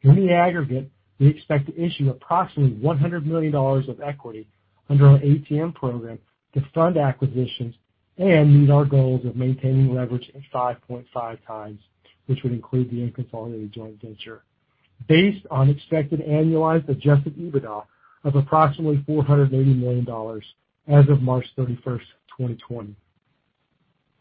Speaker 5: In the aggregate, we expect to issue approximately $100 million of equity under our ATM program to fund acquisitions and meet our goals of maintaining leverage at 5.5x, which would include the unconsolidated joint venture, based on expected annualized adjusted EBITDA of approximately $480 million as of March 31st, 2020.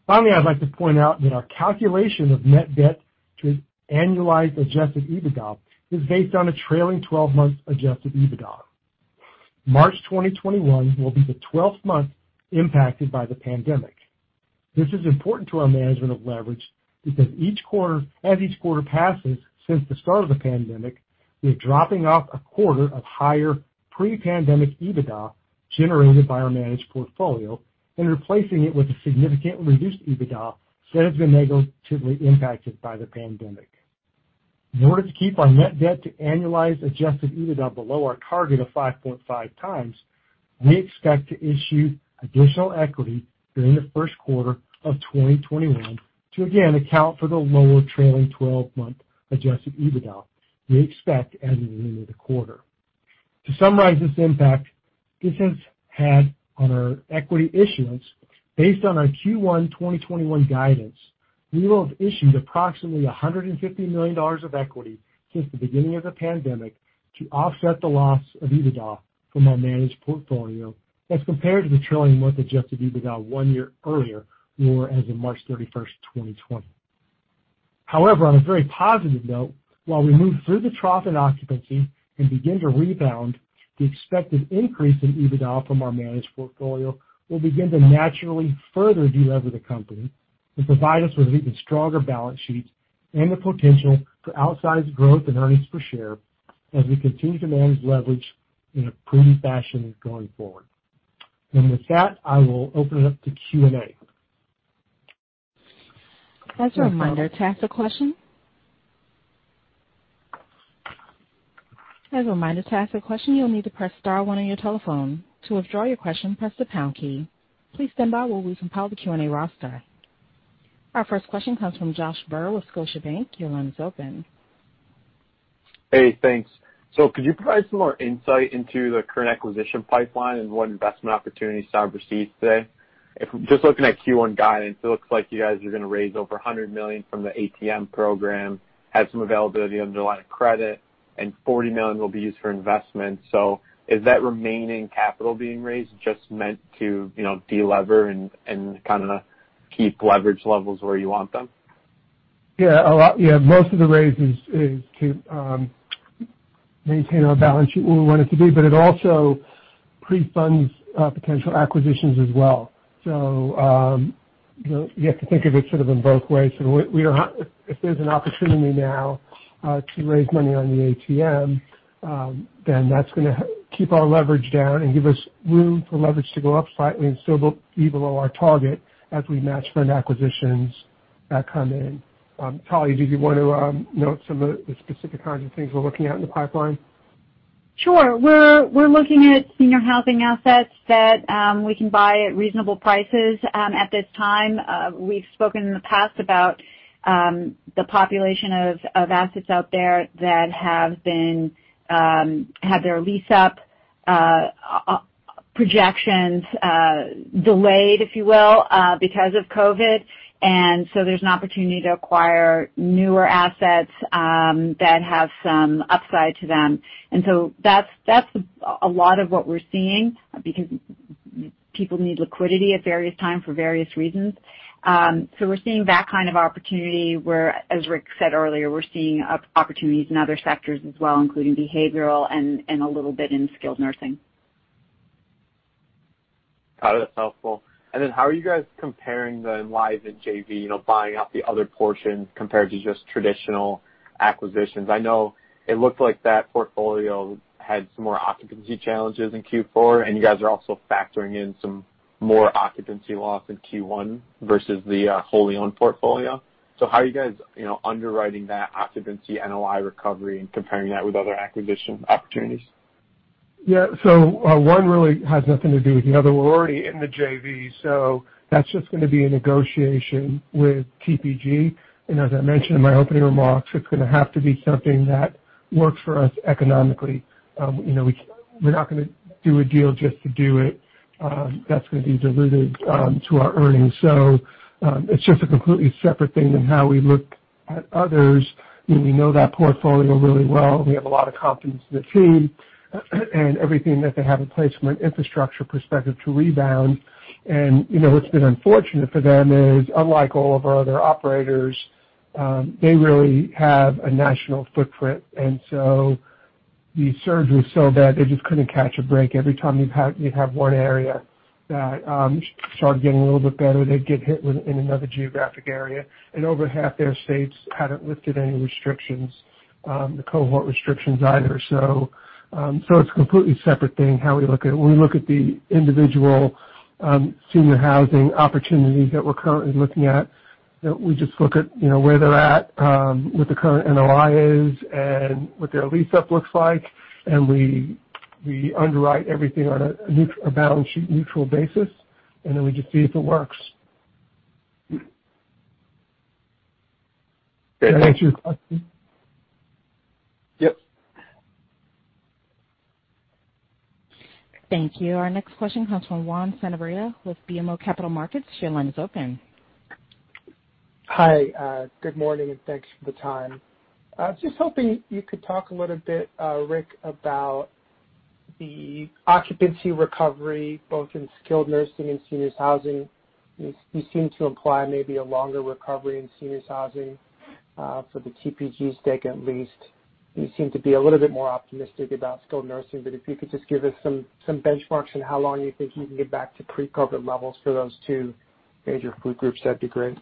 Speaker 5: Finally, I'd like to point out that our calculation of net debt to annualized adjusted EBITDA is based on a trailing 12-month adjusted EBITDA. March 2021 will be the 12th month impacted by the pandemic. This is important to our management of leverage because as each quarter passes since the start of the pandemic, we are dropping off a quarter of higher pre-pandemic EBITDA generated by our managed portfolio and replacing it with a significantly reduced EBITDA that has been negatively impacted by the pandemic. In order to keep our net debt to annualized adjusted EBITDA below our target of 5.5x, we expect to issue additional equity during the first quarter of 2021 to again account for the lower trailing 12-month adjusted EBITDA we expect as of the end of the quarter. To summarize this impact this has had on our equity issuance, based on our Q1 2021 guidance, we will have issued approximately $150 million of equity since the beginning of the pandemic to offset the loss of EBITDA from our managed portfolio as compared to the trailing more adjusted EBITDA one year earlier or as of March 31st, 2020. However, on a very positive note, while we move through the trough in occupancy and begin to rebound, the expected increase in EBITDA from our managed portfolio will begin to naturally further de-lever the company and provide us with an even stronger balance sheet and the potential for outsized growth in earnings per share as we continue to manage leverage in a prudent fashion going forward. With that, I will open it up to Q&A.
Speaker 1: As a reminder, to ask a question, you'll need to press star one on your telephone. To withdraw your question, press the pound key. Please stand by while we compile the Q&A roster. Our first question comes from Josh Burr with Scotiabank. Your line is open.
Speaker 6: Hey, thanks. Could you provide some more insight into the current acquisition pipeline and what investment opportunities Sabra sees today? Just looking at Q1 guidance, it looks like you guys are going to raise over $100 million from the ATM program, have some availability on the line of credit, and $40 million will be used for investment. Is that remaining capital being raised just meant to de-lever and kind of keep leverage levels where you want them?
Speaker 3: Most of the raise is to maintain our balance sheet where we want it to be, but it also pre-funds potential acquisitions as well. You have to think of it sort of in both ways. If there's an opportunity now to raise money on the ATM, that's going to keep our leverage down and give us room for leverage to go up slightly and still be below our target as we match fund acquisitions that come in. Talya, did you want to note some of the specific kinds of things we're looking at in the pipeline?
Speaker 4: Sure. We're looking at senior housing assets that we can buy at reasonable prices at this time. We've spoken in the past about the population of assets out there that have had their lease-up projections delayed, if you will, because of COVID. There's an opportunity to acquire newer assets that have some upside to them. That's a lot of what we're seeing because people need liquidity at various times for various reasons. We're seeing that kind of opportunity where, as Rick said earlier, we're seeing opportunities in other sectors as well, including behavioral and a little bit in skilled nursing.
Speaker 6: Got it. That's helpful. How are you guys comparing the Enlivant JV, buying out the other portion compared to just traditional acquisitions? I know it looked like that portfolio had some more occupancy challenges in Q4, and you guys are also factoring in some more occupancy loss in Q1 versus the wholly owned portfolio. How are you guys underwriting that occupancy NOI recovery and comparing that with other acquisition opportunities?
Speaker 3: Yeah. One really has nothing to do with the other. We're already in the JV, that's just going to be a negotiation with TPG. As I mentioned in my opening remarks, it's going to have to be something that works for us economically. We're not going to do a deal just to do it. That's going to be dilutive to our earnings. It's just a completely separate thing than how we look at others. We know that portfolio really well, we have a lot of confidence in the team and everything that they have in place from an infrastructure perspective to rebound. What's been unfortunate for them is, unlike all of our other operators, they really have a national footprint. The surge was so bad, they just couldn't catch a break. Every time you'd have one area that started getting a little bit better, they'd get hit with it in another geographic area. Over half their states hadn't lifted any restrictions, the cohort restrictions either. It's a completely separate thing, how we look at it. When we look at the individual senior housing opportunities that we're currently looking at, we just look at where they're at, what the current NOI is, and what their lease-up looks like, we underwrite everything on a balance sheet neutral basis, then we just see if it works.
Speaker 6: Okay, thanks.
Speaker 3: Did I answer your question?
Speaker 6: Yep.
Speaker 1: Thank you. Our next question comes from Juan Sanabria with BMO Capital Markets. Your line is open.
Speaker 7: Hi. Good morning, thanks for the time. I was just hoping you could talk a little bit, Rick, about the occupancy recovery, both in skilled nursing and seniors housing. You seem to imply maybe a longer recovery in seniors housing, for the TPG stake, at least. You seem to be a little bit more optimistic about skilled nursing, if you could just give us some benchmarks on how long you think you can get back to pre-COVID levels for those two major food groups, that'd be great.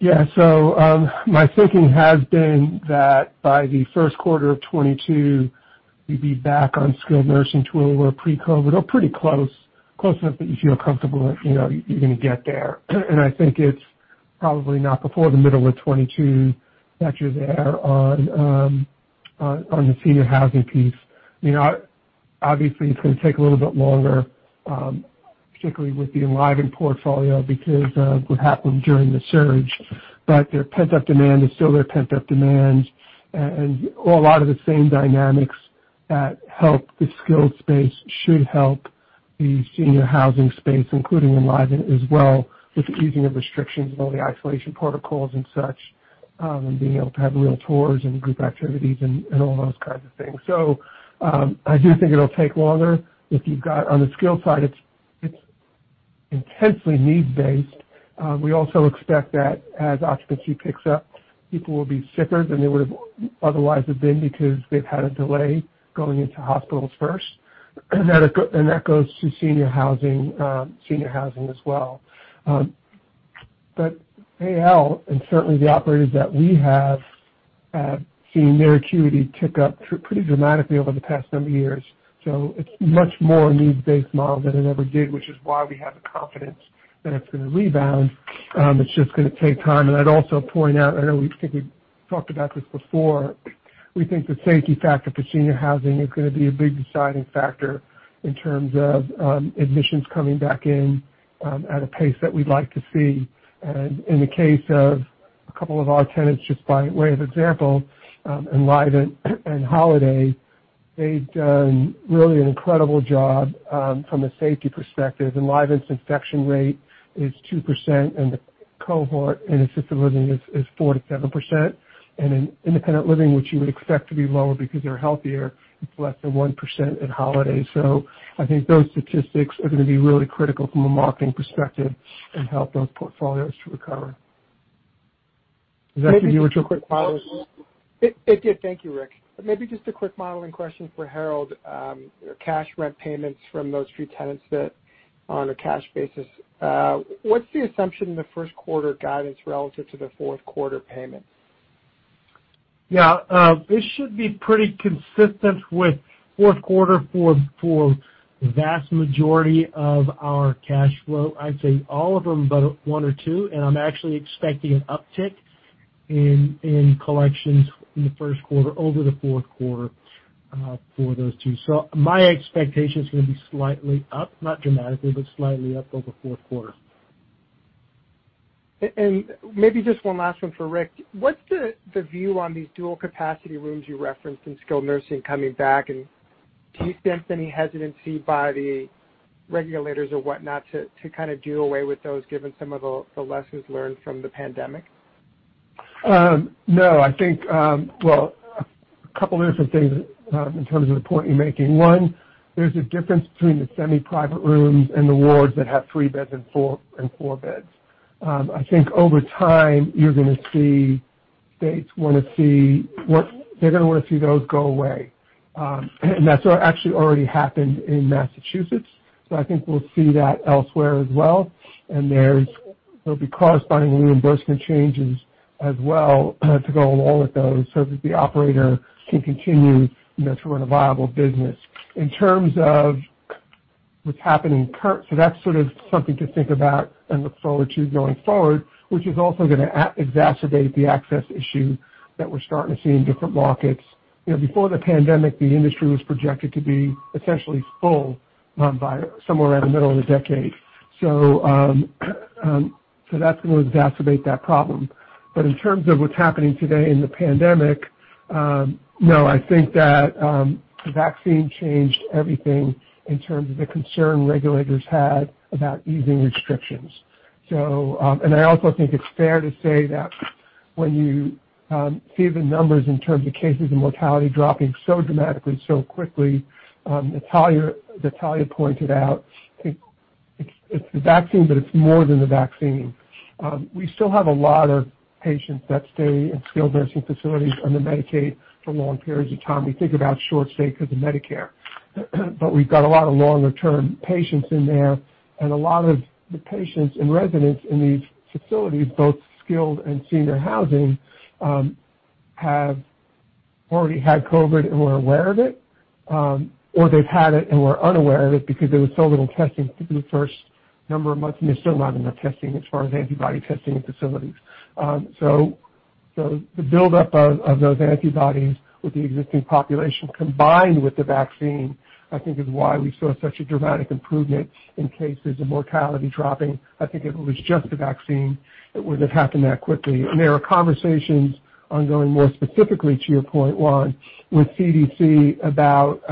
Speaker 3: My thinking has been that by the first quarter of 2022, we'd be back on skilled nursing to a little pre-COVID-19 or pretty close enough that you feel comfortable you're going to get there. I think it's probably not before the middle of 2022 that you're there on the senior housing piece. Obviously, it's going to take a little bit longer, particularly with the Enlivant portfolio, because of what happened during the surge. Their pent-up demand is still their pent-up demand, and a lot of the same dynamics that help the skilled space should help the senior housing space, including Enlivant as well, with the easing of restrictions and all the isolation protocols and such, and being able to have real tours and group activities and all those kinds of things. I do think it'll take longer. If you've got on the skilled side, it's intensely need-based. We also expect that as occupancy picks up, people will be sicker than they would have otherwise have been because they've had a delay going into hospitals first. That goes to senior housing as well. AL, and certainly the operators that we have seen their acuity tick up pretty dramatically over the past number of years. It's much more a needs-based model than it ever did, which is why we have the confidence that it's going to rebound. It's just going to take time. I'd also point out, I know we talked about this before, we think the safety factor for senior housing is going to be a big deciding factor in terms of admissions coming back in at a pace that we'd like to see. In the case of a couple of our tenants, just by way of example, Enlivant and Holiday, they've done really an incredible job from a safety perspective. Enlivant's infection rate is 2%, and the cohort in assisted living is 4%-7%. In independent living, which you would expect to be lower because they're healthier, it's less than 1% at Holiday. I think those statistics are going to be really critical from a marketing perspective and help those portfolios to recover. Was that what you?
Speaker 7: Maybe just a quick follow. It did. Thank you, Rick. Maybe just a quick modeling question for Harold. Cash rent payments from those three tenants that are on a cash basis, what's the assumption in the first quarter guidance relative to the fourth quarter payment?
Speaker 5: Yeah. It should be pretty consistent with fourth quarter for vast majority of our cash flow. I'd say all of them, but one or two. I'm actually expecting an uptick in collections in the first quarter over the fourth quarter for those two. My expectation is going to be slightly up, not dramatically, but slightly up over fourth quarter.
Speaker 7: Maybe just one last one for Rick. What's the view on these dual capacity rooms you referenced in skilled nursing coming back? Do you sense any hesitancy by the regulators or whatnot to kind of do away with those, given some of the lessons learned from the pandemic?
Speaker 3: No. Well, a couple different things in terms of the point you're making. One, there's a difference between the semi-private rooms and the wards that have three beds and four beds. I think over time, you're going to see states want to see They're going to want to see those go away. That's actually already happened in Massachusetts, so I think we'll see that elsewhere as well. There'll be corresponding reimbursement changes as well to go along with those so that the operator can continue to run a viable business. In terms of what's happening current, so that's something to think about and look forward to going forward, which is also going to exacerbate the access issue that we're starting to see in different markets. Before the pandemic, the industry was projected to be essentially full by somewhere around the middle of the decade. That's going to exacerbate that problem. In terms of what's happening today in the pandemic, no, I think that the vaccine changed everything in terms of the concern regulators had about easing restrictions. I also think it's fair to say that when you see the numbers in terms of cases and mortality dropping so dramatically, so quickly, Talya pointed out, it's the vaccine, but it's more than the vaccine. We still have a lot of patients that stay in skilled nursing facilities under Medicaid for long periods of time. We think about short stay because of Medicare. We've got a lot of longer-term patients in there, and a lot of the patients and residents in these facilities, both skilled and senior housing, have already had COVID and were aware of it, or they've had it and were unaware of it because there was so little testing through the first number of months. There's still not enough testing as far as antibody testing in facilities. The buildup of those antibodies with the existing population combined with the vaccine, I think, is why we saw such a dramatic improvement in cases of mortality dropping. I think if it was just the vaccine, it wouldn't have happened that quickly. There are conversations ongoing, more specifically to your point, Juan, with CDC about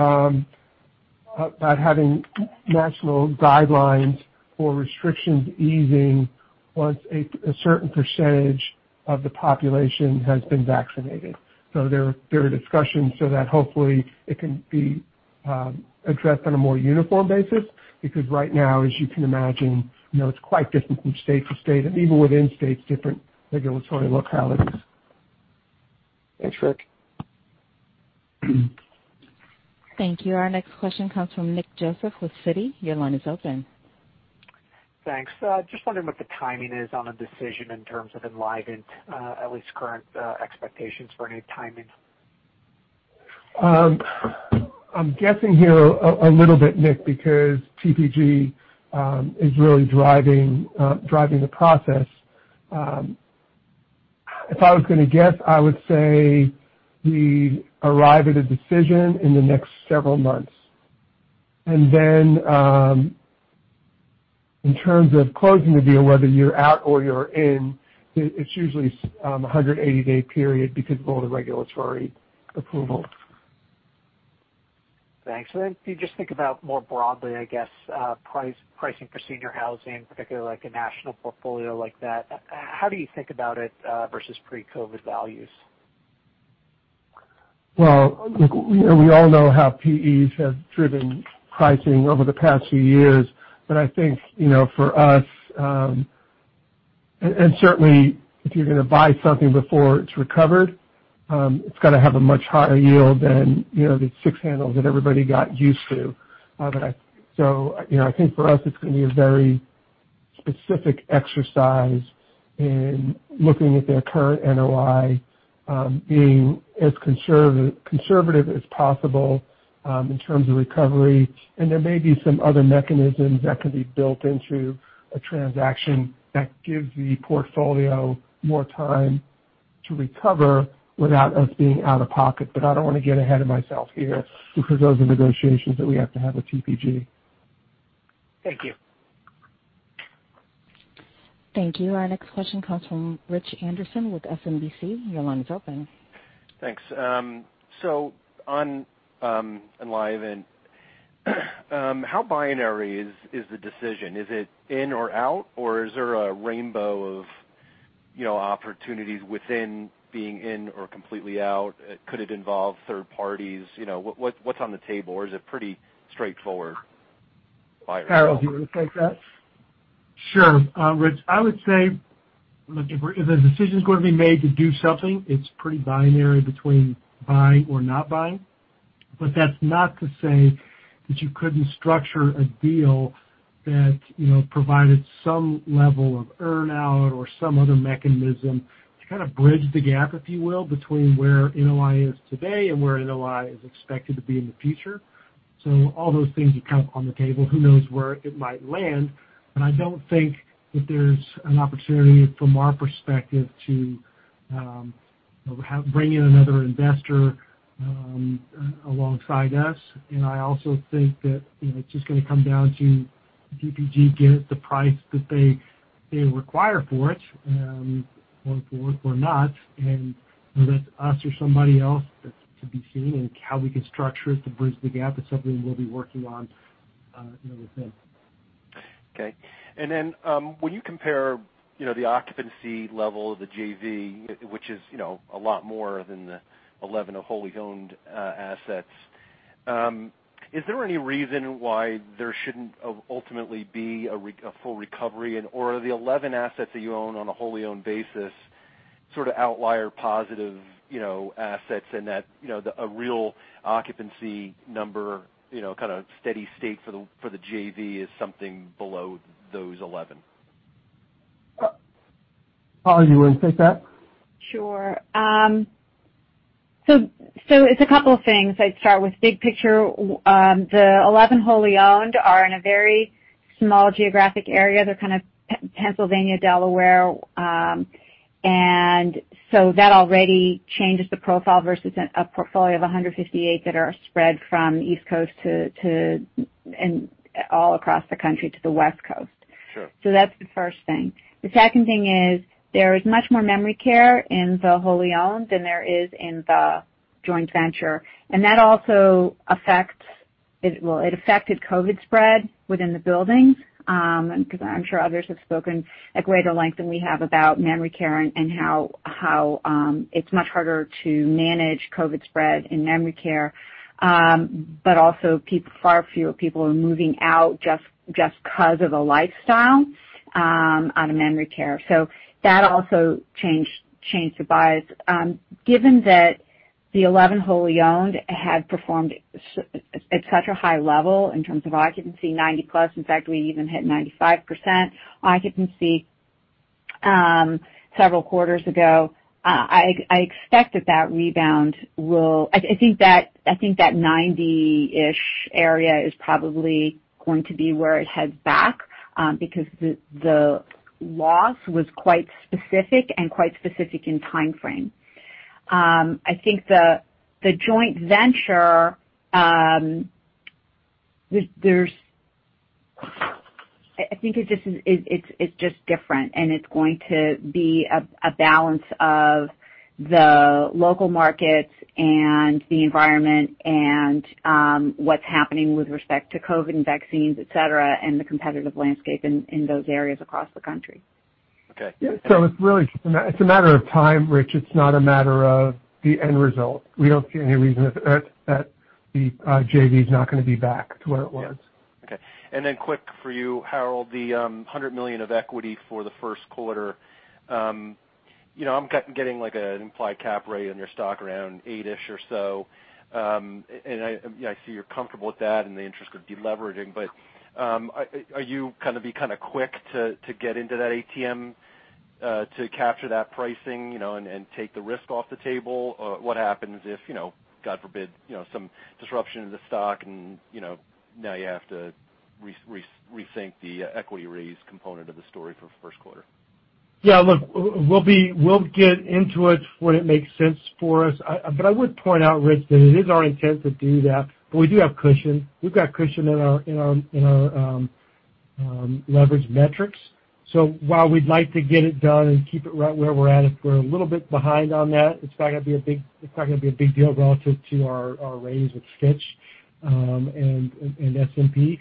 Speaker 3: having national guidelines for restrictions easing once a certain percentage of the population has been vaccinated. There are discussions so that hopefully it can be addressed on a more uniform basis, because right now, as you can imagine, it's quite different from state to state, and even within states, different regulatory localities.
Speaker 7: Thanks, Rick.
Speaker 1: Thank you. Our next question comes from Nick Joseph with Citi. Your line is open.
Speaker 8: Thanks. Just wondering what the timing is on a decision in terms of Enlivant, at least current expectations for any timing?
Speaker 3: I'm guessing here a little bit, Nick, because TPG is really driving the process. If I was going to guess, I would say we arrive at a decision in the next several months. Then, in terms of closing the deal, whether you're out or you're in, it's usually 180-day period because of all the regulatory approvals.
Speaker 8: Thanks. If you just think about more broadly, I guess, pricing for senior housing, particularly like a national portfolio like that, how do you think about it versus pre-COVID values?
Speaker 3: Well, look, we all know how PEs have driven pricing over the past few years. I think, for us, and certainly if you're going to buy something before it's recovered, it's got to have a much higher yield than the six handles that everybody got used to. I think for us, it's going to be a very specific exercise in looking at their current NOI, being as conservative as possible in terms of recovery. There may be some other mechanisms that can be built into a transaction that gives the portfolio more time to recover without us being out of pocket. I don't want to get ahead of myself here because those are negotiations that we have to have with TPG.
Speaker 8: Thank you.
Speaker 1: Thank you. Our next question comes from Rich Anderson with SMBC. Your line is open.
Speaker 9: Thanks. On Enlivant, how binary is the decision? Is it in or out, or is there a rainbow of opportunities within being in or completely out? Could it involve third parties? What's on the table, or is it pretty straightforward binary?
Speaker 3: Harold, do you want to take that?
Speaker 5: Sure. Rich, I would say, look, if a decision is going to be made to do something, it's pretty binary between buying or not buying. That's not to say that you couldn't structure a deal that provided some level of earn-out or some other mechanism to kind of bridge the gap, if you will, between where NOI is today and where NOI is expected to be in the future. All those things are on the table. Who knows where it might land? I don't think that there's an opportunity from our perspective to bring in another investor alongside us. I also think that it's just going to come down to TPG getting the price that they require for it or not, and whether that's us or somebody else, that's to be seen, and how we can structure it to bridge the gap is something we'll be working on within.
Speaker 9: Okay. When you compare the occupancy level of the JV, which is a lot more than the 11 wholly owned assets, is there any reason why there shouldn't ultimately be a full recovery? Are the 11 assets that you own on a wholly-owned basis sort of outlier positive assets and that a real occupancy number, kind of steady state for the JV is something below those 11?
Speaker 3: Talya, do you want to take that?
Speaker 4: It's a couple of things. I'd start with big picture. The 11 wholly owned are in a very small geographic area. They're kind of Pennsylvania, Delaware. That already changes the profile versus a portfolio of 158 that are spread from East Coast to all across the country to the West Coast.
Speaker 9: Sure.
Speaker 4: That's the first thing. The second thing is there is much more memory care in the wholly owned than there is in the joint venture. That also affects, well, it affected COVID spread within the building, because I'm sure others have spoken at greater length than we have about memory care and how it's much harder to manage COVID spread in memory care. Also far fewer people are moving out just because of a lifestyle out of memory care. That also changed the bias. Given that the 11 wholly owned had performed at such a high level in terms of occupancy, 90+, in fact, we even hit 95% occupancy several quarters ago. I expect that that rebound, I think that 90-ish area is probably going to be where it heads back, because the loss was quite specific and quite specific in timeframe. I think the joint venture, it's just different, and it's going to be a balance of the local markets and the environment and what's happening with respect to COVID vaccines, et cetera, and the competitive landscape in those areas across the country.
Speaker 9: Okay.
Speaker 3: Yeah. It's a matter of time, Rich. It's not a matter of the end result. We don't see any reason that the JV is not going to be back to where it was.
Speaker 9: Yeah. Okay, then quick for you, Harold, the $100 million of equity for the first quarter. I'm getting like an implied cap rate on your stock around eight-ish or so. I see you're comfortable with that and the interest could de leveraging. Are you going to be kind of quick to get into that ATM to capture that pricing and take the risk off the table? What happens if, God forbid, some disruption in the stock and now you have to rethink the equity raise component of the story for first quarter?
Speaker 5: Look, we'll get into it when it makes sense for us. I would point out, Rich, that it is our intent to do that. We do have cushion. We've got cushion in our leverage metrics. While we'd like to get it done and keep it right where we're at, if we're a little bit behind on that, it's not going to be a big deal relative to our raise with Fitch and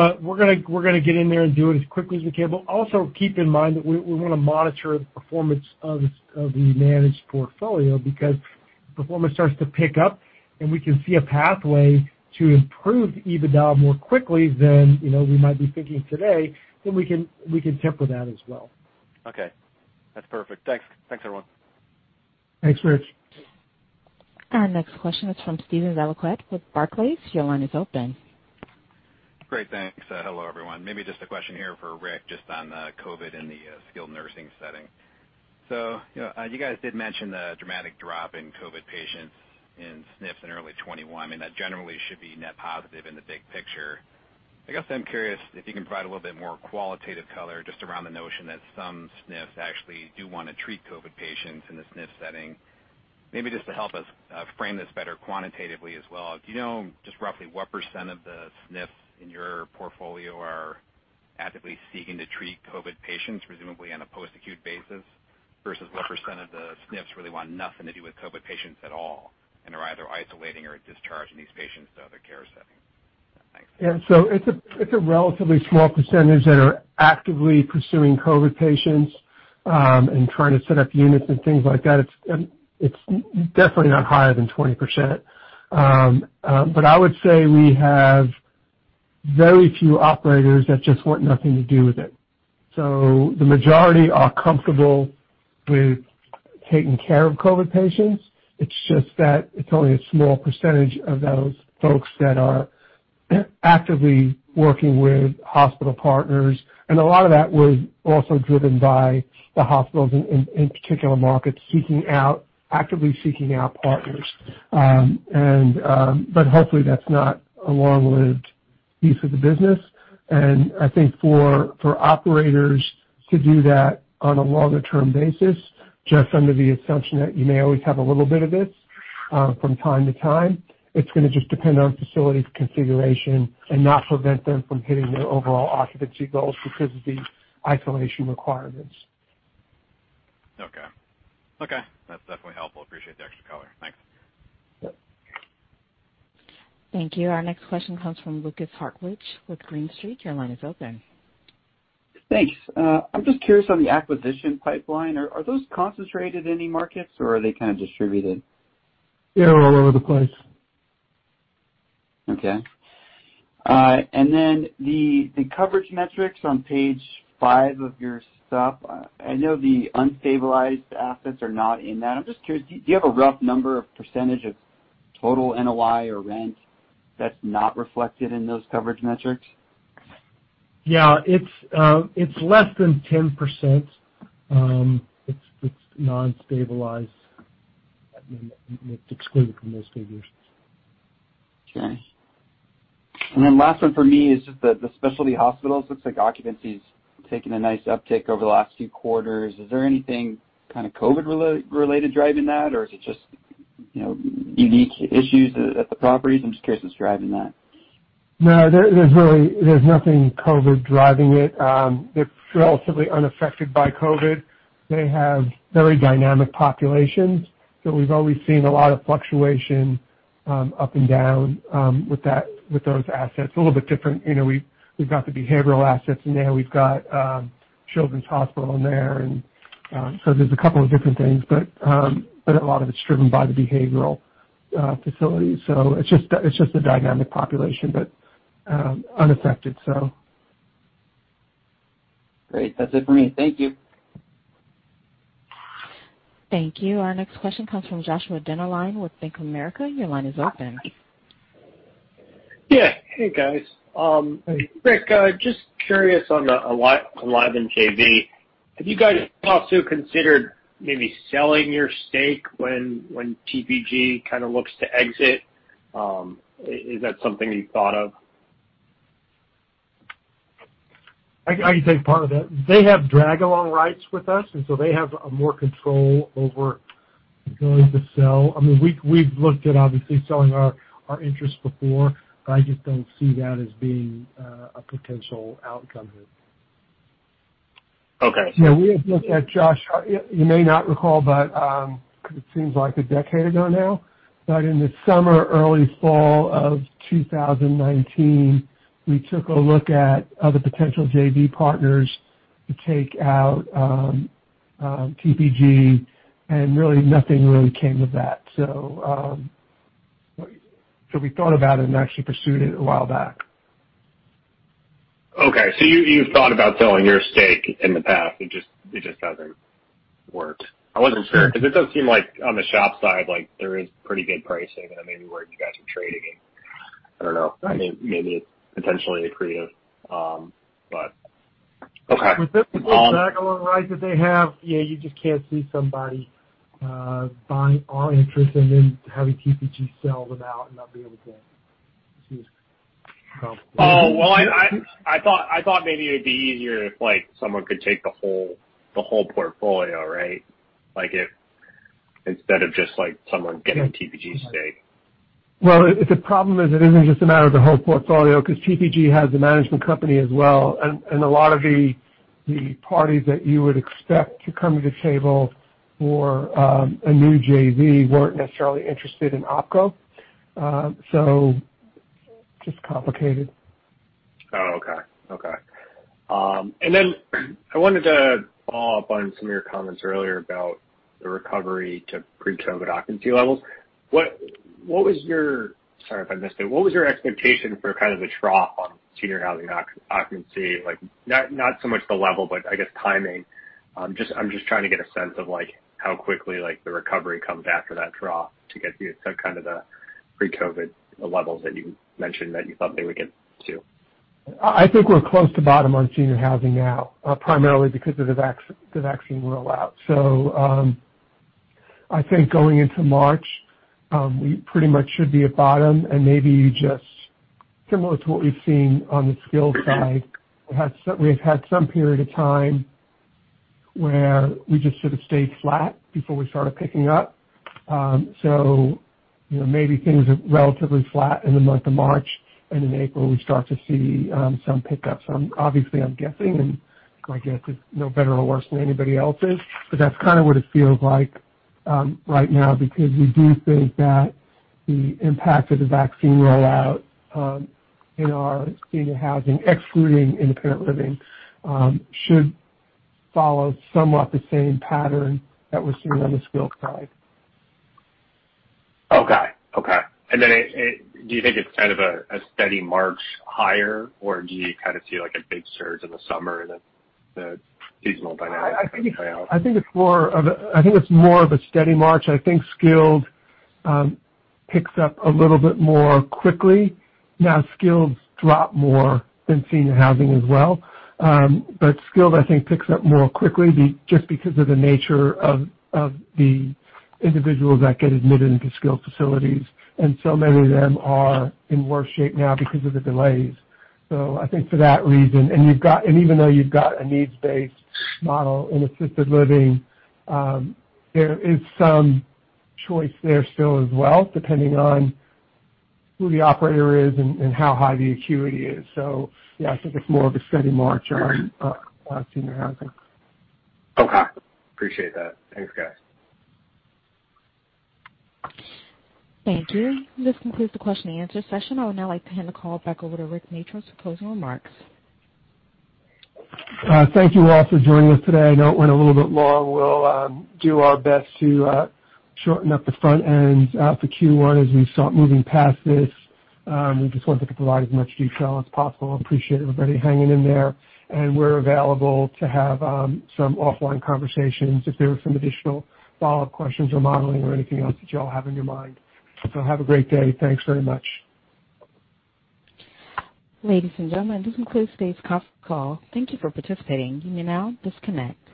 Speaker 5: S&P. We're going to get in there and do it as quickly as we can. Also keep in mind that we want to monitor the performance of the managed portfolio, because if performance starts to pick up and we can see a pathway to improve EBITDA more quickly than we might be thinking today, then we can temper that as well.
Speaker 9: Okay. That's perfect. Thanks, everyone.
Speaker 3: Thanks, Rich.
Speaker 1: Our next question is from Steve Valiquette with Barclays. Your line is open.
Speaker 10: Great. Thanks. Hello, everyone. Maybe just a question here for Rick, just on the COVID in the skilled nursing setting. You guys did mention the dramatic drop in COVID patients in SNFs in early 2021. I mean, that generally should be net positive in the big picture. I guess I'm curious if you can provide a little bit more qualitative color just around the notion that some SNFs actually do want to treat COVID patients in the SNF setting. Maybe just to help us frame this better quantitatively as well, do you know just roughly what percentage of the SNFs in your portfolio are actively seeking to treat COVID patients, presumably on a post-acute basis, versus what percentage of the SNFs really want nothing to do with COVID patients at all and are either isolating or discharging these patients to other care settings? Thanks.
Speaker 3: Yeah. It's a relatively small percentage that are actively pursuing COVID patients, and trying to set up units and things like that. It's definitely not higher than 20%. I would say we have very few operators that just want nothing to do with it. The majority are comfortable with taking care of COVID patients. It's just that it's only a small percentage of those folks that are actively working with hospital partners. A lot of that was also driven by the hospitals in particular markets actively seeking out partners. Hopefully that's not a long-lived piece of the business. I think for operators to do that on a longer-term basis, just under the assumption that you may always have a little bit of this from time to time, it's going to just depend on facility configuration and not prevent them from hitting their overall occupancy goals because of the isolation requirements.
Speaker 10: Okay. That's definitely helpful. Appreciate the extra color. Thanks.
Speaker 3: Yep.
Speaker 1: Thank you. Our next question comes from Lukas Hartwich with Green Street. Your line is open.
Speaker 11: Thanks. I'm just curious on the acquisition pipeline. Are those concentrated in any markets or are they kind of distributed?
Speaker 3: They're all over the place.
Speaker 11: Okay. The coverage metrics on page five of your stuff, I know the unstabilized assets are not in that. I'm just curious, do you have a rough number or percentage of total NOI or rent that's not reflected in those coverage metrics?
Speaker 5: Yeah. It's less than 10%. It's non-stabilized, it's excluded from those figures.
Speaker 11: Okay. Last one for me is just the specialty hospitals. Looks like occupancy's taken a nice uptick over the last few quarters. Is there anything kind of COVID related driving that or is it just unique issues at the properties? I'm just curious what's driving that.
Speaker 3: No, there's nothing COVID driving it. They're relatively unaffected by COVID. They have very dynamic populations, we've always seen a lot of fluctuation up and down with those assets. A little bit different. We've got the behavioral assets in there. We've got children's hospital in there's a couple of different things, but a lot of it's driven by the behavioral facilities. It's just a dynamic population, but unaffected so.
Speaker 11: Great. That's it for me. Thank you.
Speaker 1: Thank you. Our next question comes from Josh Dennerlein with Bank of America. Your line is open.
Speaker 12: Hey, guys.
Speaker 3: Hey.
Speaker 12: Rick, just curious on the Enlivant JV, have you guys also considered maybe selling your stake when TPG kind of looks to exit? Is that something that you've thought of?
Speaker 5: I can take part of it. They have drag along rights with us, and so they have more control over the ability to sell. We've looked at obviously selling our interest before, but I just don't see that as being a potential outcome here.
Speaker 12: Okay.
Speaker 3: Yeah, we have looked at, Josh, you may not recall, but it seems like a decade ago now, but in the summer, early fall of 2019, we took a look at other potential JV partners to take out TPG, and really nothing really came of that. We thought about it and actually pursued it a while back.
Speaker 12: Okay. You've thought about selling your stake in the past. It just hasn't worked. I wasn't sure because it does seem like on the SHOP side, like there is pretty good pricing and maybe where you guys are trading in, I don't know. Maybe it's potentially accretive. Okay.
Speaker 3: With the drag along rights that they have, yeah, you just can't see somebody buying our interest and then having TPG sell them out and not be able to.
Speaker 12: Oh, well, I thought maybe it'd be easier if someone could take the whole portfolio, right? Instead of just someone getting TPG's stake.
Speaker 3: Well, the problem is it isn't just a matter of the whole portfolio because TPG has a management company as well. A lot of the parties that you would expect to come to the table for a new JV weren't necessarily interested in OpCo. Just complicated.
Speaker 12: Oh, okay. I wanted to follow up on some of your comments earlier about the recovery to pre-COVID occupancy levels. Sorry if I missed it. What was your expectation for kind of a trough on senior housing occupancy? Not so much the level, but I guess timing. I am just trying to get a sense of how quickly the recovery comes after that trough to get to kind of the pre-COVID levels that you mentioned that you thought they would get to.
Speaker 3: I think we're close to bottom on senior housing now, primarily because of the vaccine rollout. I think going into March, we pretty much should be at bottom and maybe just similar to what we've seen on the skilled side, we've had some period of time where we just sort of stayed flat before we started picking up. Maybe things are relatively flat in the month of March, and in April we start to see some pickup. Obviously I'm guessing, and my guess is no better or worse than anybody else's, but that's kind of what it feels like right now because we do think that the impact of the vaccine rollout in our senior housing, excluding independent living, should follow somewhat the same pattern that we're seeing on the skilled side.
Speaker 12: Okay. Then do you think it's kind of a steady march higher, or do you kind of see like a big surge in the summer, the seasonal dynamics play out?
Speaker 3: I think it's more of a steady march. I think skilled picks up a little bit more quickly. Skilled's dropped more than senior housing as well. Skilled, I think, picks up more quickly just because of the nature of the individuals that get admitted into skilled facilities. So many of them are in worse shape now because of the delays. I think for that reason, and even though you've got a needs-based model in assisted living, there is some choice there still as well, depending on who the operator is and how high the acuity is. Yeah, I think it's more of a steady march on senior housing.
Speaker 12: Okay. Appreciate that. Thanks, guys.
Speaker 1: Thank you. This concludes the question and answer session. I would now like to hand the call back over to Rick Matros for closing remarks.
Speaker 3: Thank you all for joining us today. I know it went a little bit long. We'll do our best to shorten up the front end for Q1 as we start moving past this. We just wanted to provide as much detail as possible. Appreciate everybody hanging in there. We're available to have some offline conversations if there are some additional follow-up questions or modeling or anything else that y'all have in your mind. Have a great day. Thanks very much.
Speaker 1: Ladies and gentlemen, this concludes today's conference call. Thank you for participating. You may now disconnect.